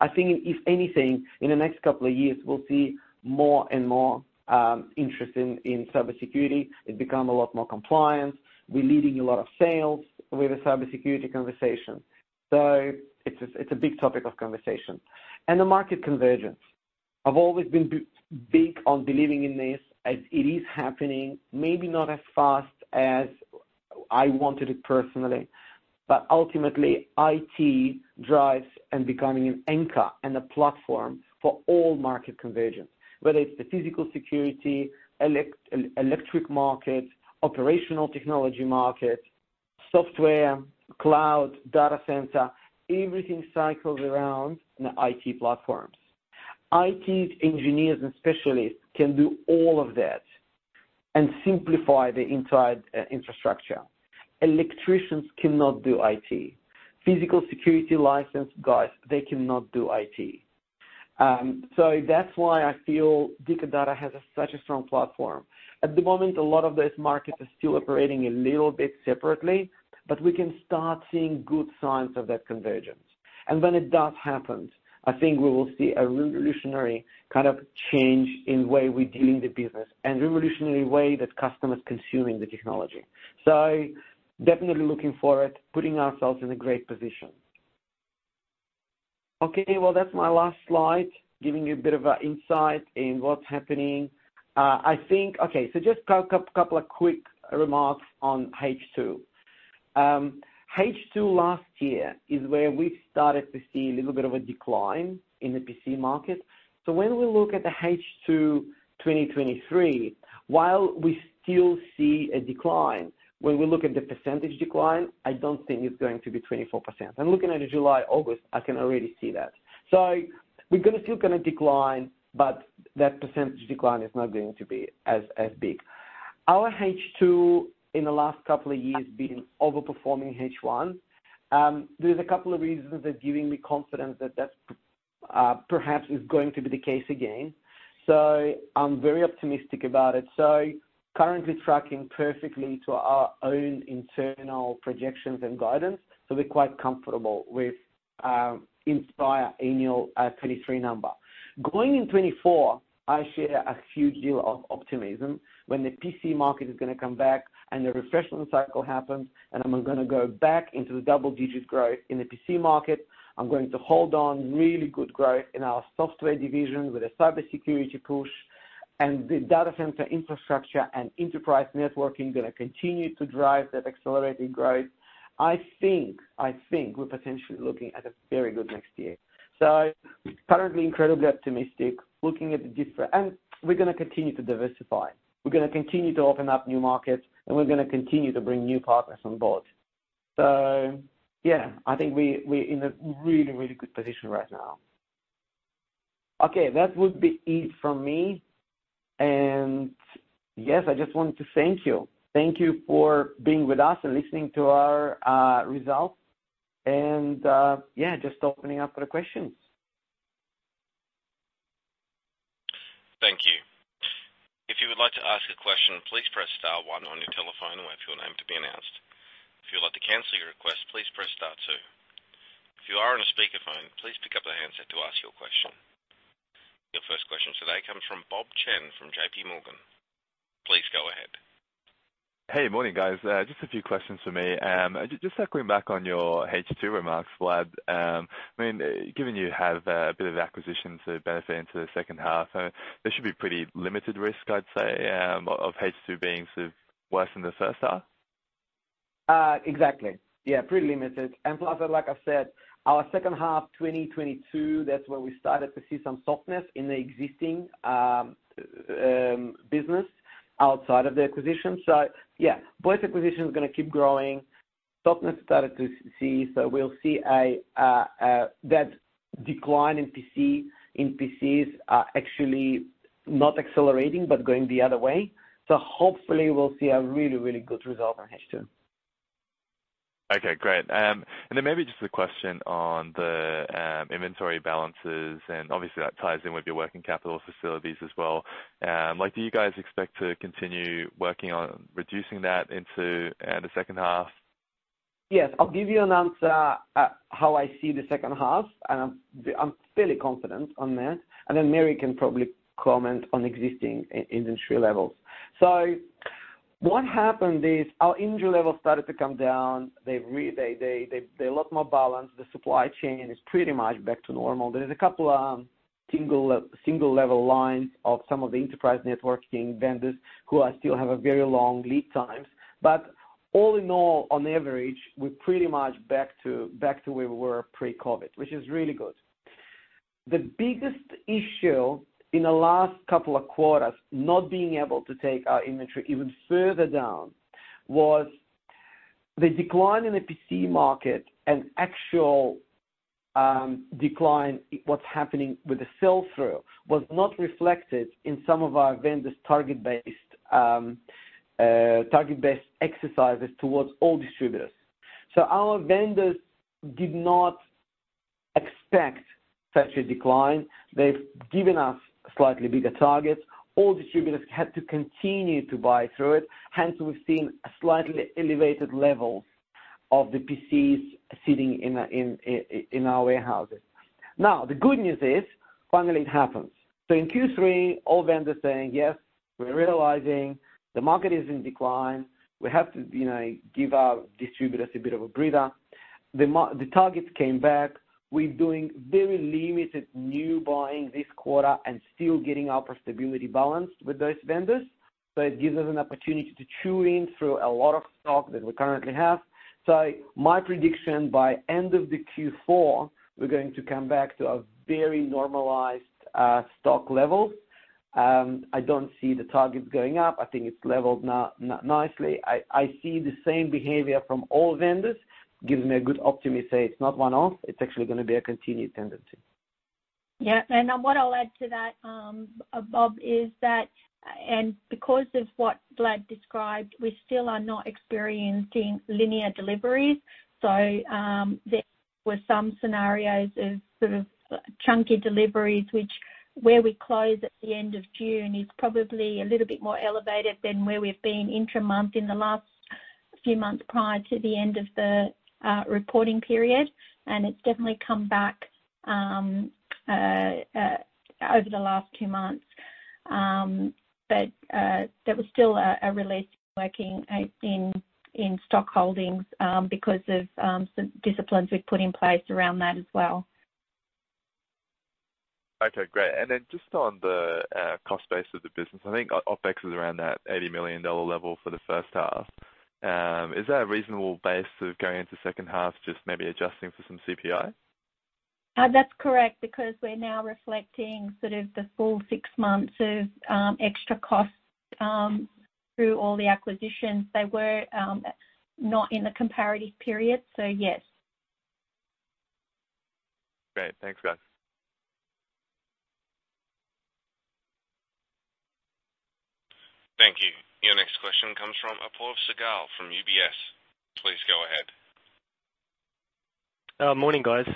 D: I think, if anything, in the next couple of years, we'll see more and more interest in cybersecurity. It become a lot more compliant. We're leading a lot of sales with a cybersecurity conversation. So it's a big topic of conversation. And the market convergence. I've always been big on believing in this as it is happening, maybe not as fast as I wanted it personally, but ultimately, IT drives and becoming an anchor and a platform for all market convergence. Whether it's the physical security, electric market, operational technology market, software, cloud, data center, everything cycles around the IT platforms. IT engineers and specialists can do all of that and simplify the entire infrastructure. Electricians cannot do IT. Physical security licensed guys, they cannot do IT. So that's why I feel Dicker Data has such a strong platform. At the moment, a lot of those markets are still operating a little bit separately, but we can start seeing good signs of that convergence. And when it does happen, I think we will see a revolutionary kind of change in the way we're doing the business and revolutionary way that customers consuming the technology. So definitely looking forward, putting ourselves in a great position. Okay, well, that's my last slide, giving you a bit of an insight in what's happening. I think. Okay, so just a couple of quick remarks on H2. H2 last year is where we started to see a little bit of a decline in the PC market. So when we look at the H2 2023, while we still see a decline, when we look at the percentage decline, I don't think it's going to be 24%. I'm looking at July, August, I can already see that. So we're gonna still gonna decline, but that percentage decline is not going to be as big. Our H2 in the last couple of years been overperforming H1. There's a couple of reasons that's giving me confidence that that perhaps is going to be the case again. So I'm very optimistic about it. So currently tracking perfectly to our own internal projections and guidance, so we're quite comfortable with entire annual 2023 number. Going into 2024, I share a huge degree of optimism when the PC market is gonna come back and the refresh cycle happens, and I'm gonna go back into the double-digit growth in the PC market. I'm going to hope for really good growth in our software division with a cybersecurity push, and the data center infrastructure and enterprise networking gonna continue to drive that accelerated growth. I think we're potentially looking at a very good next year. So currently incredibly optimistic, looking at the different. And we're gonna continue to diversify. We're gonna continue to open up new markets, and we're gonna continue to bring new partners on board. So yeah, I think we're in a really, really good position right now. Okay, that would be it from me. And yes, I just wanted to thank you. Thank you for being with us and listening to our results. Yeah, just opening up for questions.
A: Thank you. If you would like to ask a question, please press star one on your telephone and wait for your name to be announced. If you would like to cancel your request, please press star two.... If you are on a speakerphone, please pick up the handset to ask your question. Your first question today comes from Bob Chen from JPMorgan. Please go ahead.
E: Hey, good morning, guys. Just a few questions for me. Just circling back on your H2 remarks, Vlad. I mean, given you have a bit of acquisition to benefit into the second half, there should be pretty limited risk, I'd say, of H2 being sort of worse than the first half?
D: Exactly. Yeah, pretty limited. And plus, like I said, our second half 2022, that's when we started to see some softness in the existing business outside of the acquisition. So yeah, both acquisitions are going to keep growing. Softness started to see, so we'll see a that decline in PC, in PCs, actually not accelerating, but going the other way. So hopefully we'll see a really, really good result on H2.
E: Okay, great. And then maybe just a question on the inventory balances, and obviously, that ties in with your working capital facilities as well. Like, do you guys expect to continue working on reducing that into the second half?
D: Yes. I'll give you an answer how I see the second half, and I'm fairly confident on that. And then Mary can probably comment on existing industry levels. So what happened is our industry levels started to come down. They're a lot more balanced. The supply chain is pretty much back to normal. There's a couple single level lines of some of the enterprise networking vendors who are still have a very long lead times. But all in all, on average, we're pretty much back to where we were pre-COVID, which is really good. The biggest issue in the last couple of quarters, not being able to take our inventory even further down, was the decline in the PC market, an actual decline, what's happening with the sell-through, was not reflected in some of our vendors' target-based exercises towards all distributors. So our vendors did not expect such a decline. They've given us slightly bigger targets. All distributors had to continue to buy through it, hence we've seen a slightly elevated level of the PCs sitting in our warehouses. Now, the good news is, finally it happens. So in Q3, all vendors saying, "Yes, we're realizing the market is in decline. We have to, you know, give our distributors a bit of a breather." The targets came back. We're doing very limited new buying this quarter and still getting our profitability balanced with those vendors. So it gives us an opportunity to chew in through a lot of stock that we currently have. So my prediction, by end of the Q4, we're going to come back to a very normalized stock level. I don't see the targets going up. I think it's leveled nicely. I see the same behavior from all vendors, gives me a good optimism. It's not one-off, it's actually going to be a continued tendency.
C: Yeah, and what I'll add to that, Bob, is that, and because of what Vlad described, we still are not experiencing linear deliveries. So there were some scenarios of sort of chunky deliveries, which where we close at the end of June, is probably a little bit more elevated than where we've been intra-month in the last few months prior to the end of the reporting period, and it's definitely come back over the last two months. But there was still a release working in stock holdings because of some disciplines we've put in place around that as well.
E: Okay, great. And then just on the cost base of the business, I think OpEx is around that 80 million dollar level for the first half. Is that a reasonable base sort of going into second half, just maybe adjusting for some CPI?
C: That's correct, because we're now reflecting sort of the full six months of extra costs through all the acquisitions. They were not in the comparative period, so yes.
E: Great. Thanks, guys.
A: Thank you. Your next question comes from Apoorv Sehgal, from UBS. Please go ahead.
F: Morning, guys.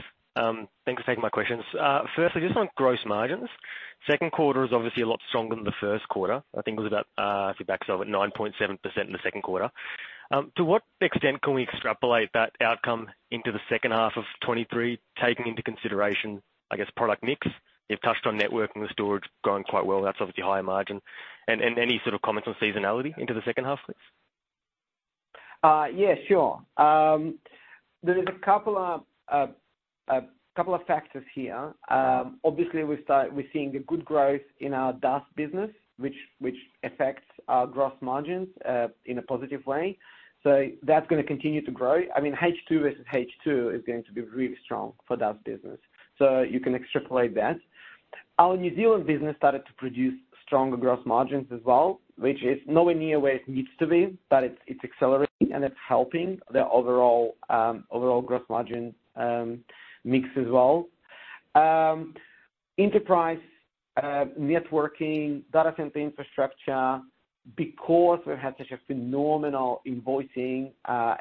F: Thanks for taking my questions. Firstly, just on gross margins. Second quarter is obviously a lot stronger than the first quarter. I think it was about, if you back it up, 9.7% in the second quarter. To what extent can we extrapolate that outcome into the second half of 2023, taking into consideration, I guess, product mix? You've touched on networking, the storage growing quite well. That's obviously higher margin. And any sort of comments on seasonality into the second half, please?
D: Yeah, sure. There is a couple of factors here. Obviously, we're seeing a good growth in our DAS business, which affects our gross margins in a positive way. So that's going to continue to grow. I mean, H2 versus H2 is going to be really strong for DAS business. So you can extrapolate that. Our New Zealand business started to produce stronger gross margins as well, which is nowhere near where it needs to be, but it's accelerating and it's helping the overall gross margin mix as well. Enterprise networking, data center infrastructure, because we had such a phenomenal invoicing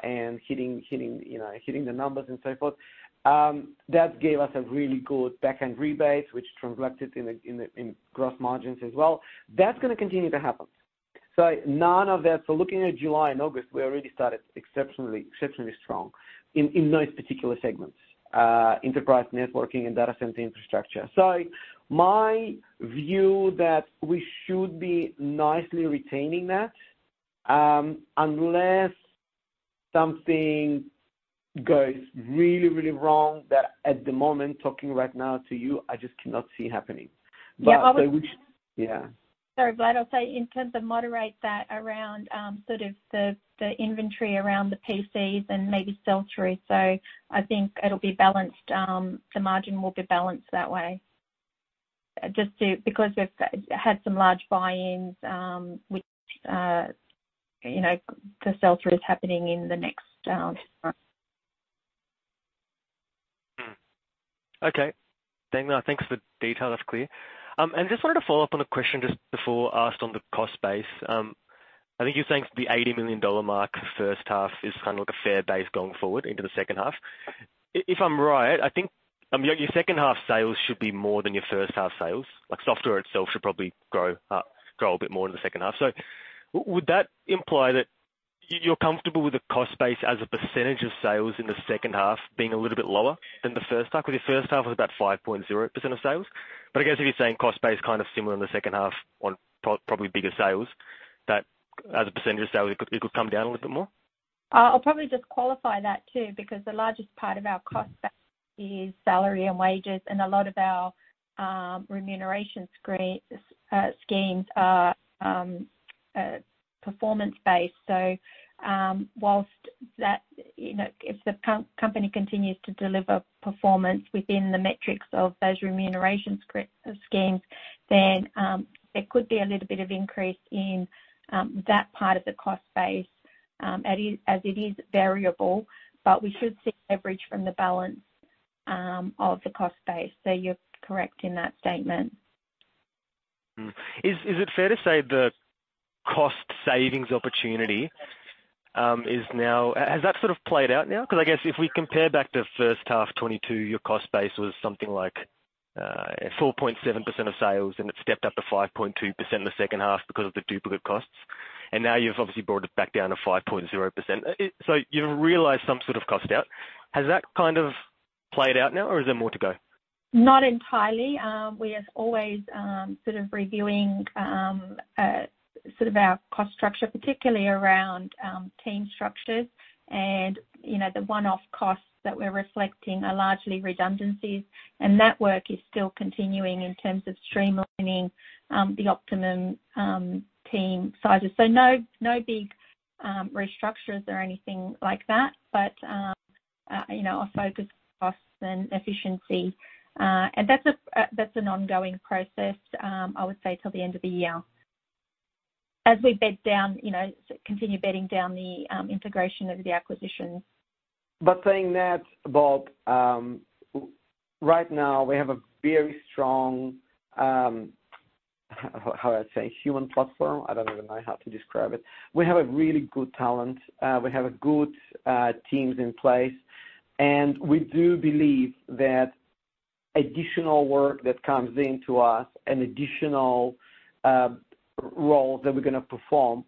D: and hitting, you know, hitting the numbers and so forth, that gave us a really good back-end rebates, which translated in the gross margins as well. That's going to continue to happen... So none of that. So looking at July and August, we already started exceptionally, exceptionally strong in those particular segments, enterprise networking and data center infrastructure. So my view that we should be nicely retaining that, unless something goes really, really wrong, that at the moment, talking right now to you, I just cannot see happening. But so we- Yeah, I would- Yeah.
C: Sorry, Vlad, I'll say in terms of moderating that around, sort of the inventory around the PCs and maybe sell-through. So I think it'll be balanced, the margin will be balanced that way. Just because we've had some large buy-ins, which, you know, the sell-through is happening in the next quarter.
F: Hmm. Okay. Thank you. Thanks for the detail. That's clear. And just wanted to follow up on a question just before asked on the cost base. I think you're saying the 80 million dollar mark first half is kind of like a fair base going forward into the second half. If I'm right, I think, your second half sales should be more than your first half sales. Like, software itself should probably grow, grow a bit more in the second half. So would that imply that you're comfortable with the cost base as a percentage of sales in the second half, being a little bit lower than the first half? 'Cause your first half was about 5.0% of sales. But I guess if you're saying cost base kind of similar in the second half on probably bigger sales, that as a percentage of sales, it could, it could come down a little bit more?
C: I'll probably just qualify that, too, because the largest part of our cost base is salary and wages, and a lot of our remuneration schemes are performance-based. So, whilst that, you know, if the company continues to deliver performance within the metrics of those remuneration schemes, then there could be a little bit of increase in that part of the cost base, as it is variable. But we should see leverage from the balance of the cost base. So you're correct in that statement.
F: Is it fair to say the cost savings opportunity is now... Has that sort of played out now? 'Cause I guess if we compare back to first half 2022, your cost base was something like 4.7% of sales, and it stepped up to 5.2% in the second half because of the duplicate costs, and now you've obviously brought it back down to 5.0%. So you've realized some sort of cost out. Has that kind of played out now, or is there more to go?
C: Not entirely. We are always sort of reviewing sort of our cost structure, particularly around team structures. And, you know, the one-off costs that we're reflecting are largely redundancies, and that work is still continuing in terms of streamlining the optimum team sizes. So no, no big restructures or anything like that, but you know, our focus is costs and efficiency. And that's an ongoing process, I would say, till the end of the year. As we bed down, you know, continue bedding down the integration of the acquisitions.
D: But saying that, Bob, right now, we have a very strong, how I say, human platform. I don't even know how to describe it. We have a really good talent. We have a good teams in place, and we do believe that additional work that comes into us and additional roles that we're gonna perform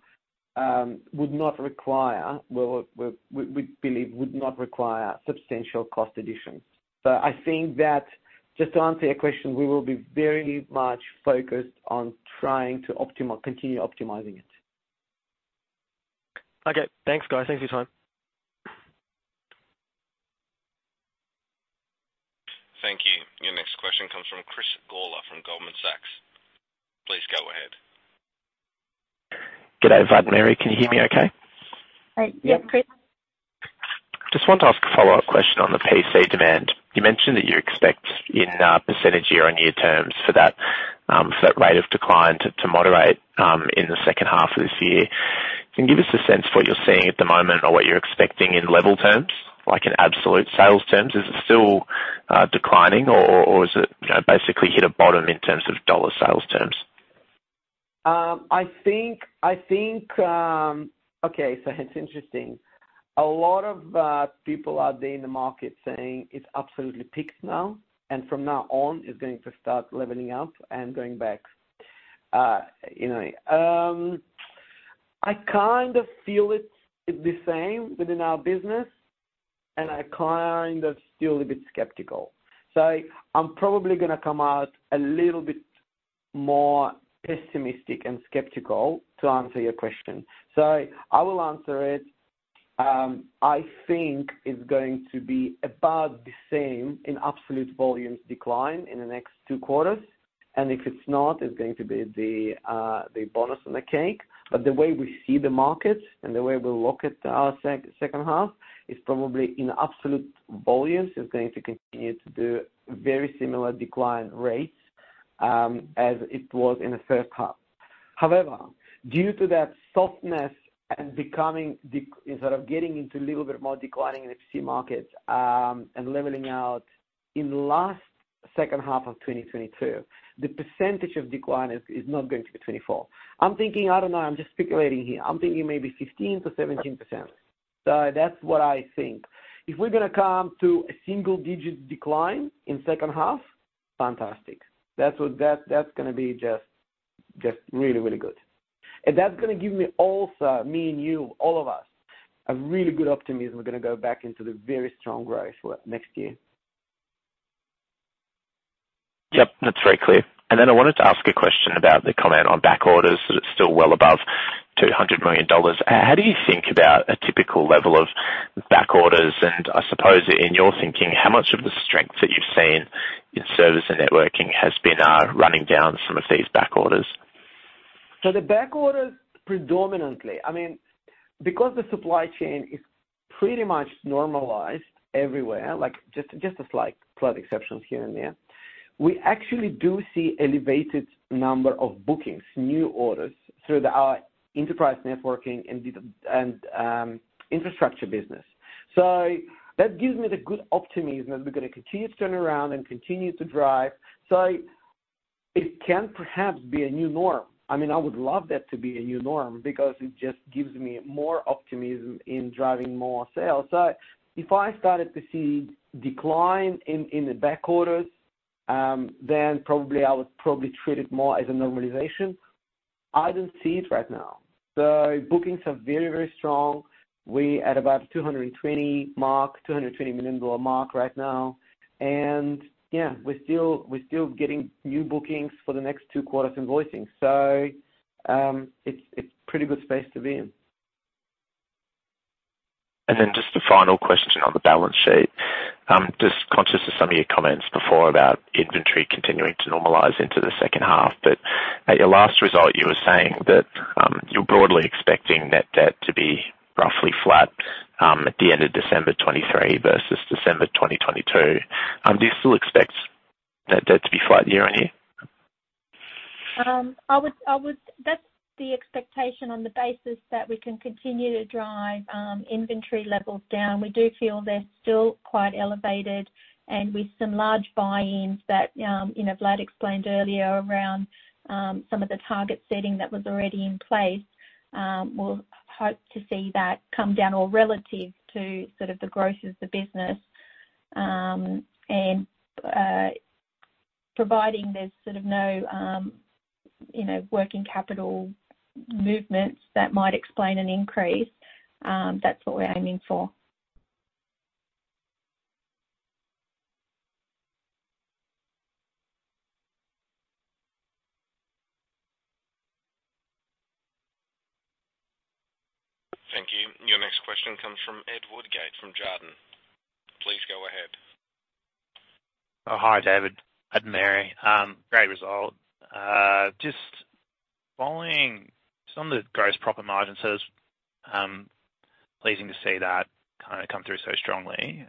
D: would not require substantial cost additions. Well, we believe would not require substantial cost additions. So I think that, just to answer your question, we will be very much focused on trying to continue optimizing it.
F: Okay. Thanks, guys. Thanks for your time.
A: Thank you. Your next question comes from Chris Gawler, from Goldman Sachs. Please go ahead.
G: G'day, Vlad and Mary, can you hear me okay?
C: Yeah, Chris.
D: Yeah.
G: Just wanted to ask a follow-up question on the PC demand. You mentioned that you expect in percentage year-on-year terms for that rate of decline to moderate in the second half of this year. Can you give us a sense of what you're seeing at the moment or what you're expecting in level terms, like in absolute sales terms? Is it still declining or is it, you know, basically hit a bottom in terms of dollar sales terms?
D: I think... Okay, so it's interesting. A lot of people out there in the market saying it's absolutely peaked now, and from now on, it's going to start leveling up and going back. You know, I kind of feel it's the same within our business, and I kind of still a bit skeptical. So I'm probably gonna come out a little bit more pessimistic and skeptical to answer your question. So I will answer it. I think it's going to be about the same in absolute volumes decline in the next two quarters, and if it's not, it's going to be the bonus on the cake. But the way we see the market and the way we look at our second half is probably in absolute volumes going to continue to do very similar decline rates as it was in the first half. However, due to that softness and and sort of getting into a little bit more declining in PC markets and leveling out in the last second half of 2022, the percentage of decline is not going to be 24%. I'm thinking, I don't know, I'm just speculating here. I'm thinking maybe 15%-17%. So that's what I think. If we're gonna come to a single-digit decline in second half—fantastic! That's what, that, that's gonna be just, just really, really good. And that's gonna give me also, me and you, all of us, a really good optimism. We're gonna go back into the very strong growth for next year.
G: Yep, that's very clear. And then I wanted to ask a question about the comment on back orders, that it's still well above 200 million dollars. How do you think about a typical level of back orders? And I suppose in your thinking, how much of the strength that you've seen in servers and networking has been running down some of these back orders?
D: So the back orders predominantly, I mean, because the supply chain is pretty much normalized everywhere, like, just a slight but exceptions here and there. We actually do see elevated number of bookings, new orders through the enterprise networking and the infrastructure business. So that gives me the good optimism that we're gonna continue to turn around and continue to drive. So it can perhaps be a new norm. I mean, I would love that to be a new norm because it just gives me more optimism in driving more sales. So if I started to see decline in the back orders, then probably I would probably treat it more as a normalization. I don't see it right now. The bookings are very, very strong. We're at about 220 mark, 220 million dollar mark right now. And yeah, we're still getting new bookings for the next two quarters invoicing. So, it's pretty good space to be in.
G: Then just a final question on the balance sheet. Just conscious of some of your comments before about inventory continuing to normalize into the second half, but at your last result, you were saying that, you're broadly expecting net debt to be roughly flat, at the end of December 2023 versus December 2022. Do you still expect that debt to be flat year-on-year?
C: I would-- That's the expectation on the basis that we can continue to drive inventory levels down. We do feel they're still quite elevated, and with some large buy-ins that, you know, Vlad explained earlier around some of the target setting that was already in place, we'll hope to see that come down or relative to sort of the growth of the business. And, providing there's sort of no, you know, working capital movements that might explain an increase, that's what we're aiming for.
A: Thank you. Your next question comes from Ed Woodgate, from Jarden. Please go ahead.
H: Oh, hi, David and Mary. Great result. Just following some of the gross profit margins, so it was pleasing to see that kinda come through so strongly.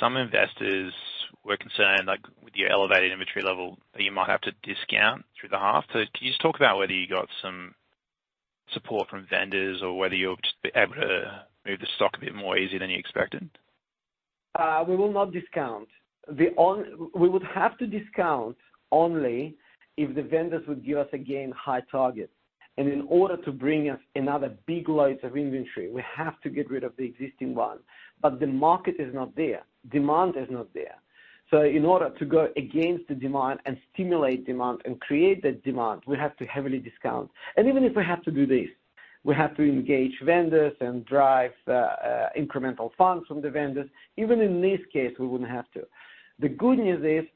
H: Some investors were concerned, like, with your elevated inventory level, that you might have to discount through the half. So can you just talk about whether you got some support from vendors or whether you're just able to move the stock a bit more easier than you expected?
D: We will not discount. We would have to discount only if the vendors would give us, again, high targets. And in order to bring us another big loads of inventory, we have to get rid of the existing one. But the market is not there. Demand is not there. So in order to go against the demand and stimulate demand and create the demand, we have to heavily discount. And even if we have to do this, we have to engage vendors and drive incremental funds from the vendors. Even in this case, we wouldn't have to. The good news is,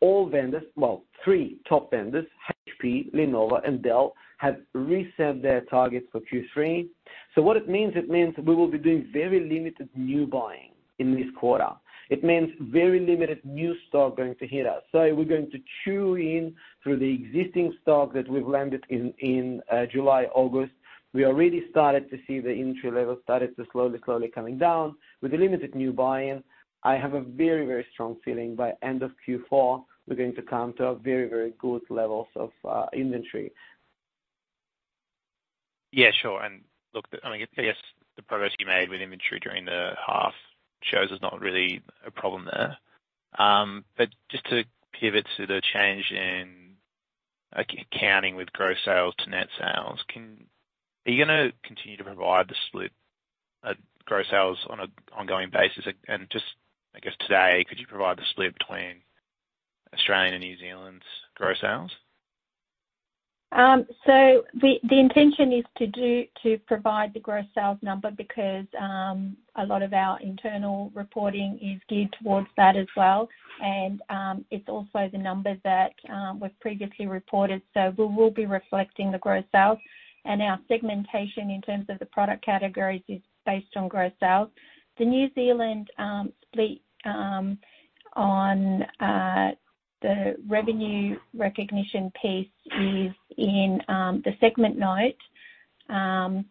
D: all vendors, well, three top vendors, HP, Lenovo, and Dell, have reset their targets for Q3. So what it means, it means we will be doing very limited new buying in this quarter. It means very limited new stock going to hit us. So we're going to chew through the existing stock that we've landed in July, August. We already started to see the inventory levels started to slowly, slowly coming down. With the limited new buying, I have a very, very strong feeling by end of Q4, we're going to come to a very, very, very good levels of inventory.
H: Yeah, sure. And look, I mean, I guess the progress you made with inventory during the half shows there's not really a problem there. But just to pivot to the change in, like, accounting with gross sales to net sales, are you gonna continue to provide the split, gross sales on an ongoing basis? And just, I guess, today, could you provide the split between Australian and New Zealand's gross sales?
C: So the intention is to provide the gross sales number because a lot of our internal reporting is geared towards that as well. And it's also the number that was previously reported, so we will be reflecting the gross sales. And our segmentation in terms of the product categories is based on gross sales. The New Zealand split on the revenue recognition piece is in the segment note.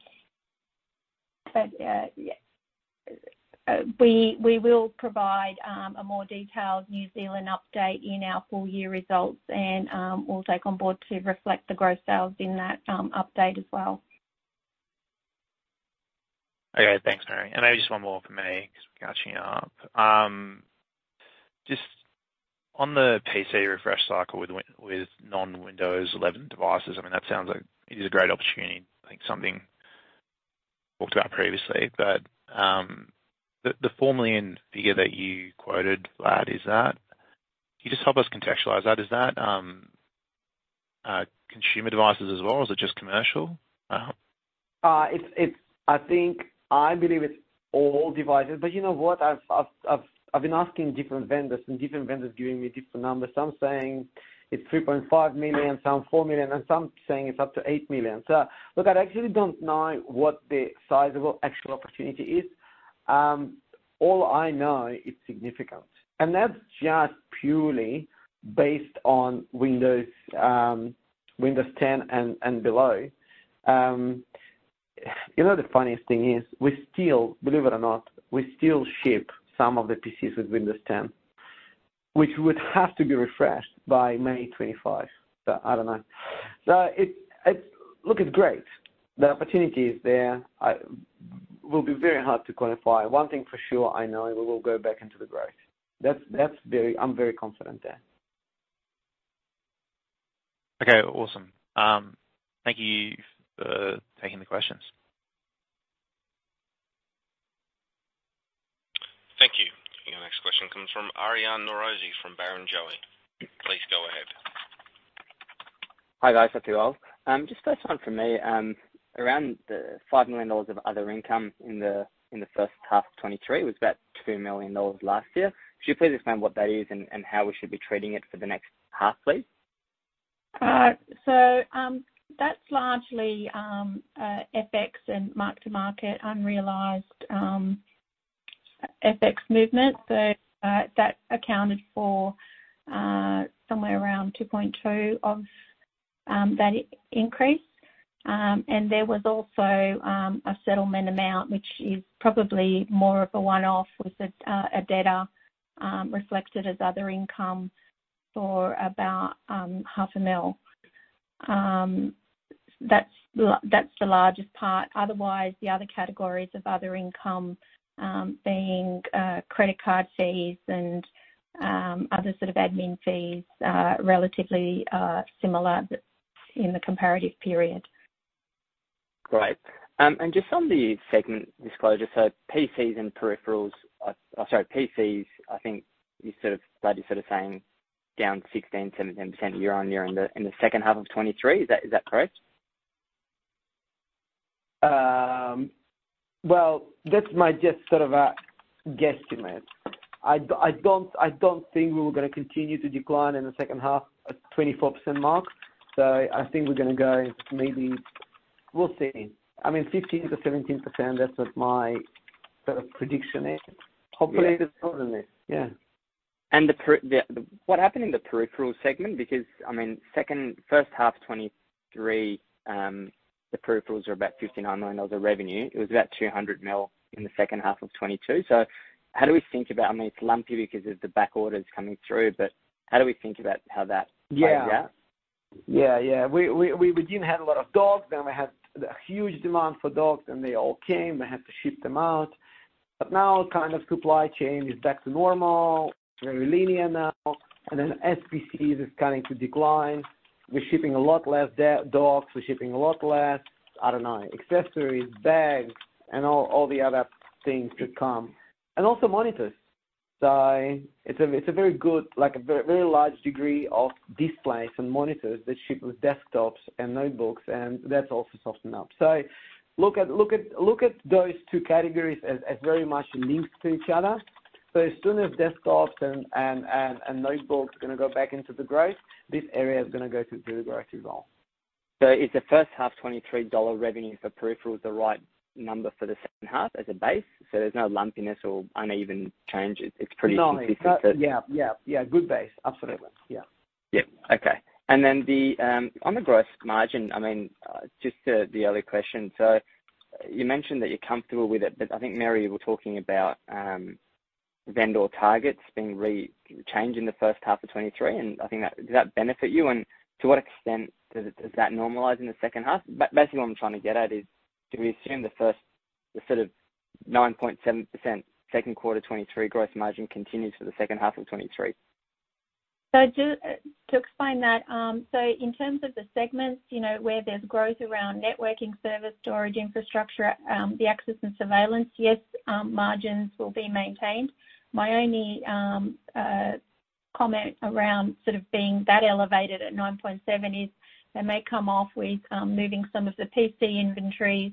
C: But we will provide a more detailed New Zealand update in our full year results, and we'll take on board to reflect the gross sales in that update as well.
H: Okay, thanks, Mary. And maybe just one more for me, because we're catching up. Just on the PC refresh cycle with non-Windows 11 devices, I mean, that sounds like it is a great opportunity. I think something talked about previously, but, the four million figure that you quoted, Vlad, is that. Can you just help us contextualize that? Is that, consumer devices as well, or is it just commercial.
D: It's-- I think I believe it's all devices, but you know what? I've been asking different vendors, and different vendors giving me different numbers. Some saying it's 3.5 million, some 4 million, and some saying it's up to 8 million. So look, I actually don't know what the size of what actual opportunity is. All I know, it's significant. And that's just purely based on Windows, Windows 10 and, and below. You know, the funniest thing is, we still, believe it or not, we still ship some of the PCs with Windows 10, which would have to be refreshed by May 2025. So I don't know. So it's-- look, it's great. The opportunity is there. It will be very hard to quantify. One thing for sure, I know we will go back into the growth. That's, that's very... I'm very confident there.
H: Okay, awesome. Thank you for taking the questions.
A: Thank you. Your next question comes from Aryan Norozi from Barrenjoey. Please go ahead.
I: Hi, guys. How you all? Just first one for me, around the 5 million dollars of other income in the first half of 2023 was about 2 million dollars last year. Could you please explain what that is and how we should be treating it for the next half, please?
C: So, that's largely FX and mark-to-market unrealized FX movement. So, that accounted for somewhere around 2.2 million of that increase. And there was also a settlement amount, which is probably more of a one-off, with a debtor, reflected as other income for about 0.5 million. That's the largest part. Otherwise, the other categories of other income, being credit card fees and other sort of admin fees, are relatively similar but in the comparative period.
I: Great. And just on the segment disclosure, so PCs and peripherals, sorry, PCs, I think you sort of, Vlad, you're sort of saying down 16%-17% year-on-year in the second half of 2023. Is that correct?
D: Well, that's my just sort of a guesstimate. I don't think we were going to continue to decline in the second half at 24% mark. So I think we're going to go maybe, we'll see. I mean, 15%-17%, that's what my sort of prediction is. Hopefully, it's more than this. Yeah.
I: What happened in the peripheral segment? Because, I mean, first half 2023, the peripherals were about 59 million dollars of revenue. It was about 200 million in the second half of 2022. So how do we think about... I mean, it's lumpy because of the back orders coming through, but how do we think about how that plays out?
D: Yeah. Yeah, yeah. We didn't have a lot of docks, then we had a huge demand for docks, and they all came. We had to ship them out. But now kind of supply chain is back to normal, very linear now, and then as PC is starting to decline. We're shipping a lot less docks. We're shipping a lot less, I don't know, accessories, bags and all, all the other things to come. And also monitors. So it's a very good, like, a very, very large degree of displays and monitors that ship with desktops and notebooks, and that's also softened up. So look at, look at, look at those two categories as, as very much linked to each other. So as soon as desktops and notebooks are going to go back into the growth, this area is going to go through the growth as well.
I: Is the first half of 2023 AUD revenue for peripheral the right number for the second half as a base? There's no lumpiness or uneven change. It's pretty consistent.
D: No. Yeah, yeah, yeah, good base. Absolutely. Yeah.
I: Yeah. Okay. And then the on the growth margin, I mean, just the other question. So you mentioned that you're comfortable with it, but I think, Mary, you were talking about vendor targets being re-changed in the first half of 2023, and I think that—did that benefit you? And to what extent does that normalize in the second half? Basically, what I'm trying to get at is, do we assume the first, the sort of 9.7%, second quarter 2023 growth margin continues for the second half of 2023?
C: So just to explain that, so in terms of the segments, you know, where there's growth around networking, service, storage, infrastructure, the access and surveillance, yes, margins will be maintained. My only comment around sort of being that elevated at 9.7 is they may come off with moving some of the PC inventories,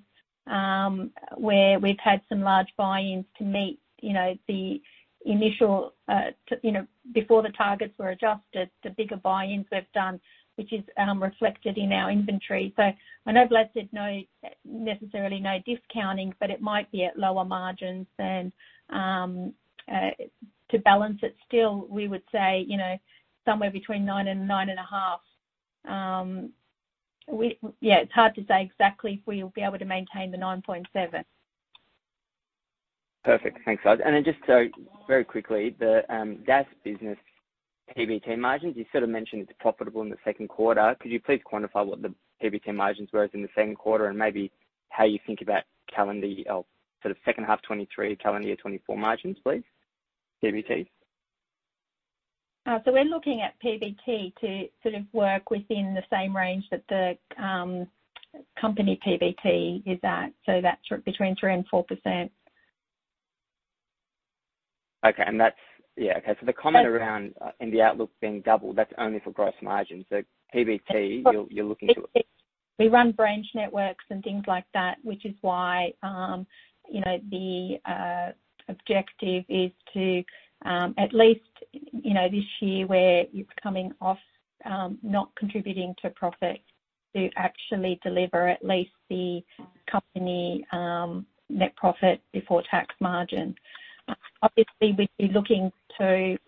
C: where we've had some large buy-ins to meet, you know, the initial to, you know, before the targets were adjusted, the bigger buy-ins we've done, which is reflected in our inventory. So I know Vlad said no, necessarily no discounting, but it might be at lower margins than to balance it still, we would say, you know, somewhere between 9 and 9.5. Yeah, it's hard to say exactly if we'll be able to maintain the 9.7.
I: Perfect. Thanks, guys. And then just so very quickly, the DAS business, PBT margins, you sort of mentioned it's profitable in the second quarter. Could you please quantify what the PBT margins were in the second quarter and maybe how you think about calendar, or sort of second half 2023, calendar year 2024 margins, please? PBT....
C: so we're looking at PBT to sort of work within the same range that the company PBT is at, so that's between 3% and 4%.
I: Okay, and that's. Yeah, okay. So the comment around, in the outlook being doubled, that's only for gross margin. So PBT, you're, you're looking to-
C: We run branch networks and things like that, which is why, you know, the objective is to at least, you know, this year, where it's coming off not contributing to profit, to actually deliver at least the company net profit before tax margin. Obviously, we'd be looking to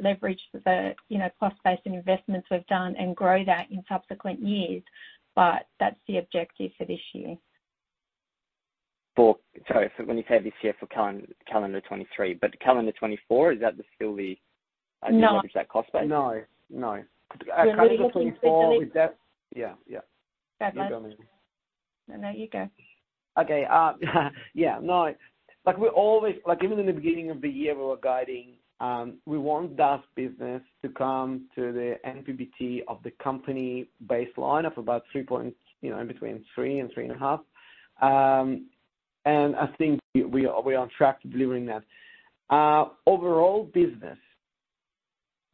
C: leverage the, you know, cost base and investments we've done and grow that in subsequent years, but that's the objective for this year.
I: Sorry, so when you say this year, for calendar 2023, but calendar 2024, is that still the-
C: No.
I: To leverage that cost base?
D: No, no.
C: We're looking specifically-
D: With that. Yeah, yeah.
C: Okay.
D: You go, Mary.
C: No, no, you go.
D: Okay, yeah, no. Like, we always... Like, even in the beginning of the year, we were guiding, we want DAS business to come to the NPBT of the company baseline of about 3%, you know, in between 3% and 3.5%. And I think we are on track to delivering that. Overall business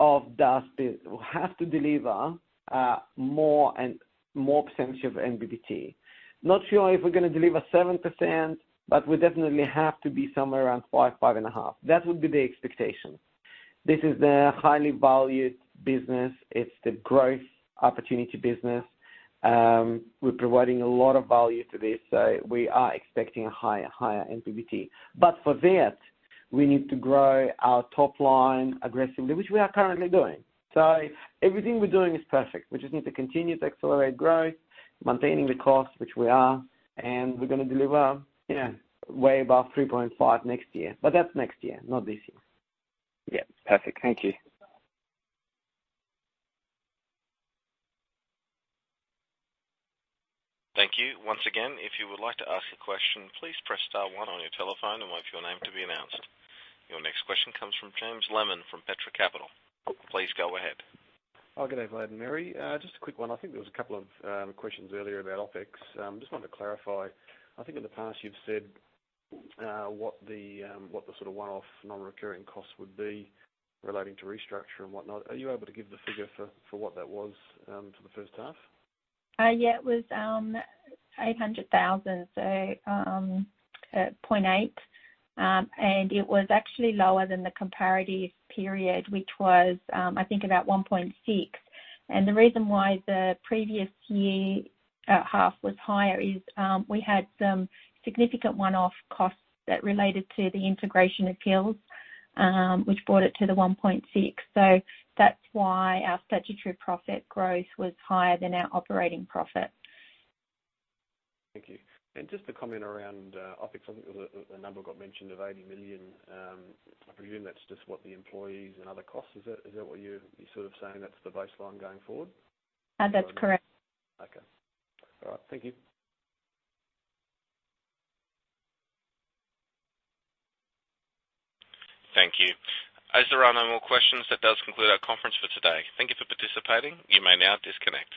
D: of DAS business has to deliver more and more percentage of NPBT. Not sure if we're gonna deliver 7%, but we definitely have to be somewhere around 5, 5.5. That would be the expectation. This is the highly valued business. It's the growth opportunity business. We're providing a lot of value to this, so we are expecting a higher NPBT. But for that, we need to grow our top line aggressively, which we are currently doing. So everything we're doing is perfect. We just need to continue to accelerate growth, maintaining the costs, which we are, and we're gonna deliver, you know, way above 3.5 next year. But that's next year, not this year.
I: Yeah. Perfect. Thank you.
A: Thank you. Once again, if you would like to ask a question, please press star one on your telephone and wait for your name to be announced. Your next question comes from James Lennon from Petra Capital. Please go ahead.
J: Oh, good day, Vlad and Mary. Just a quick one. I think there was a couple of questions earlier about OpEx. Just wanted to clarify. I think in the past you've said what the sort of one-off, non-recurring costs would be relating to restructure and whatnot. Are you able to give the figure for what that was for the first half?
C: Yeah, it was 800,000, so 0.8 million. And it was actually lower than the comparative period, which was, I think, about 1.6 million. And the reason why the previous year half was higher is we had some significant one-off costs that related to the integration of Hills, which brought it to the 1.6 million. So that's why our statutory profit growth was higher than our operating profit.
J: Thank you. And just a comment around OpEx. I think a number got mentioned of 80 million. I presume that's just what the employees and other costs, is that, is that what you're, you're sort of saying that's the baseline going forward?
C: That's correct.
J: Okay. All right. Thank you.
A: Thank you. As there are no more questions, that does conclude our conference for today. Thank you for participating. You may now disconnect.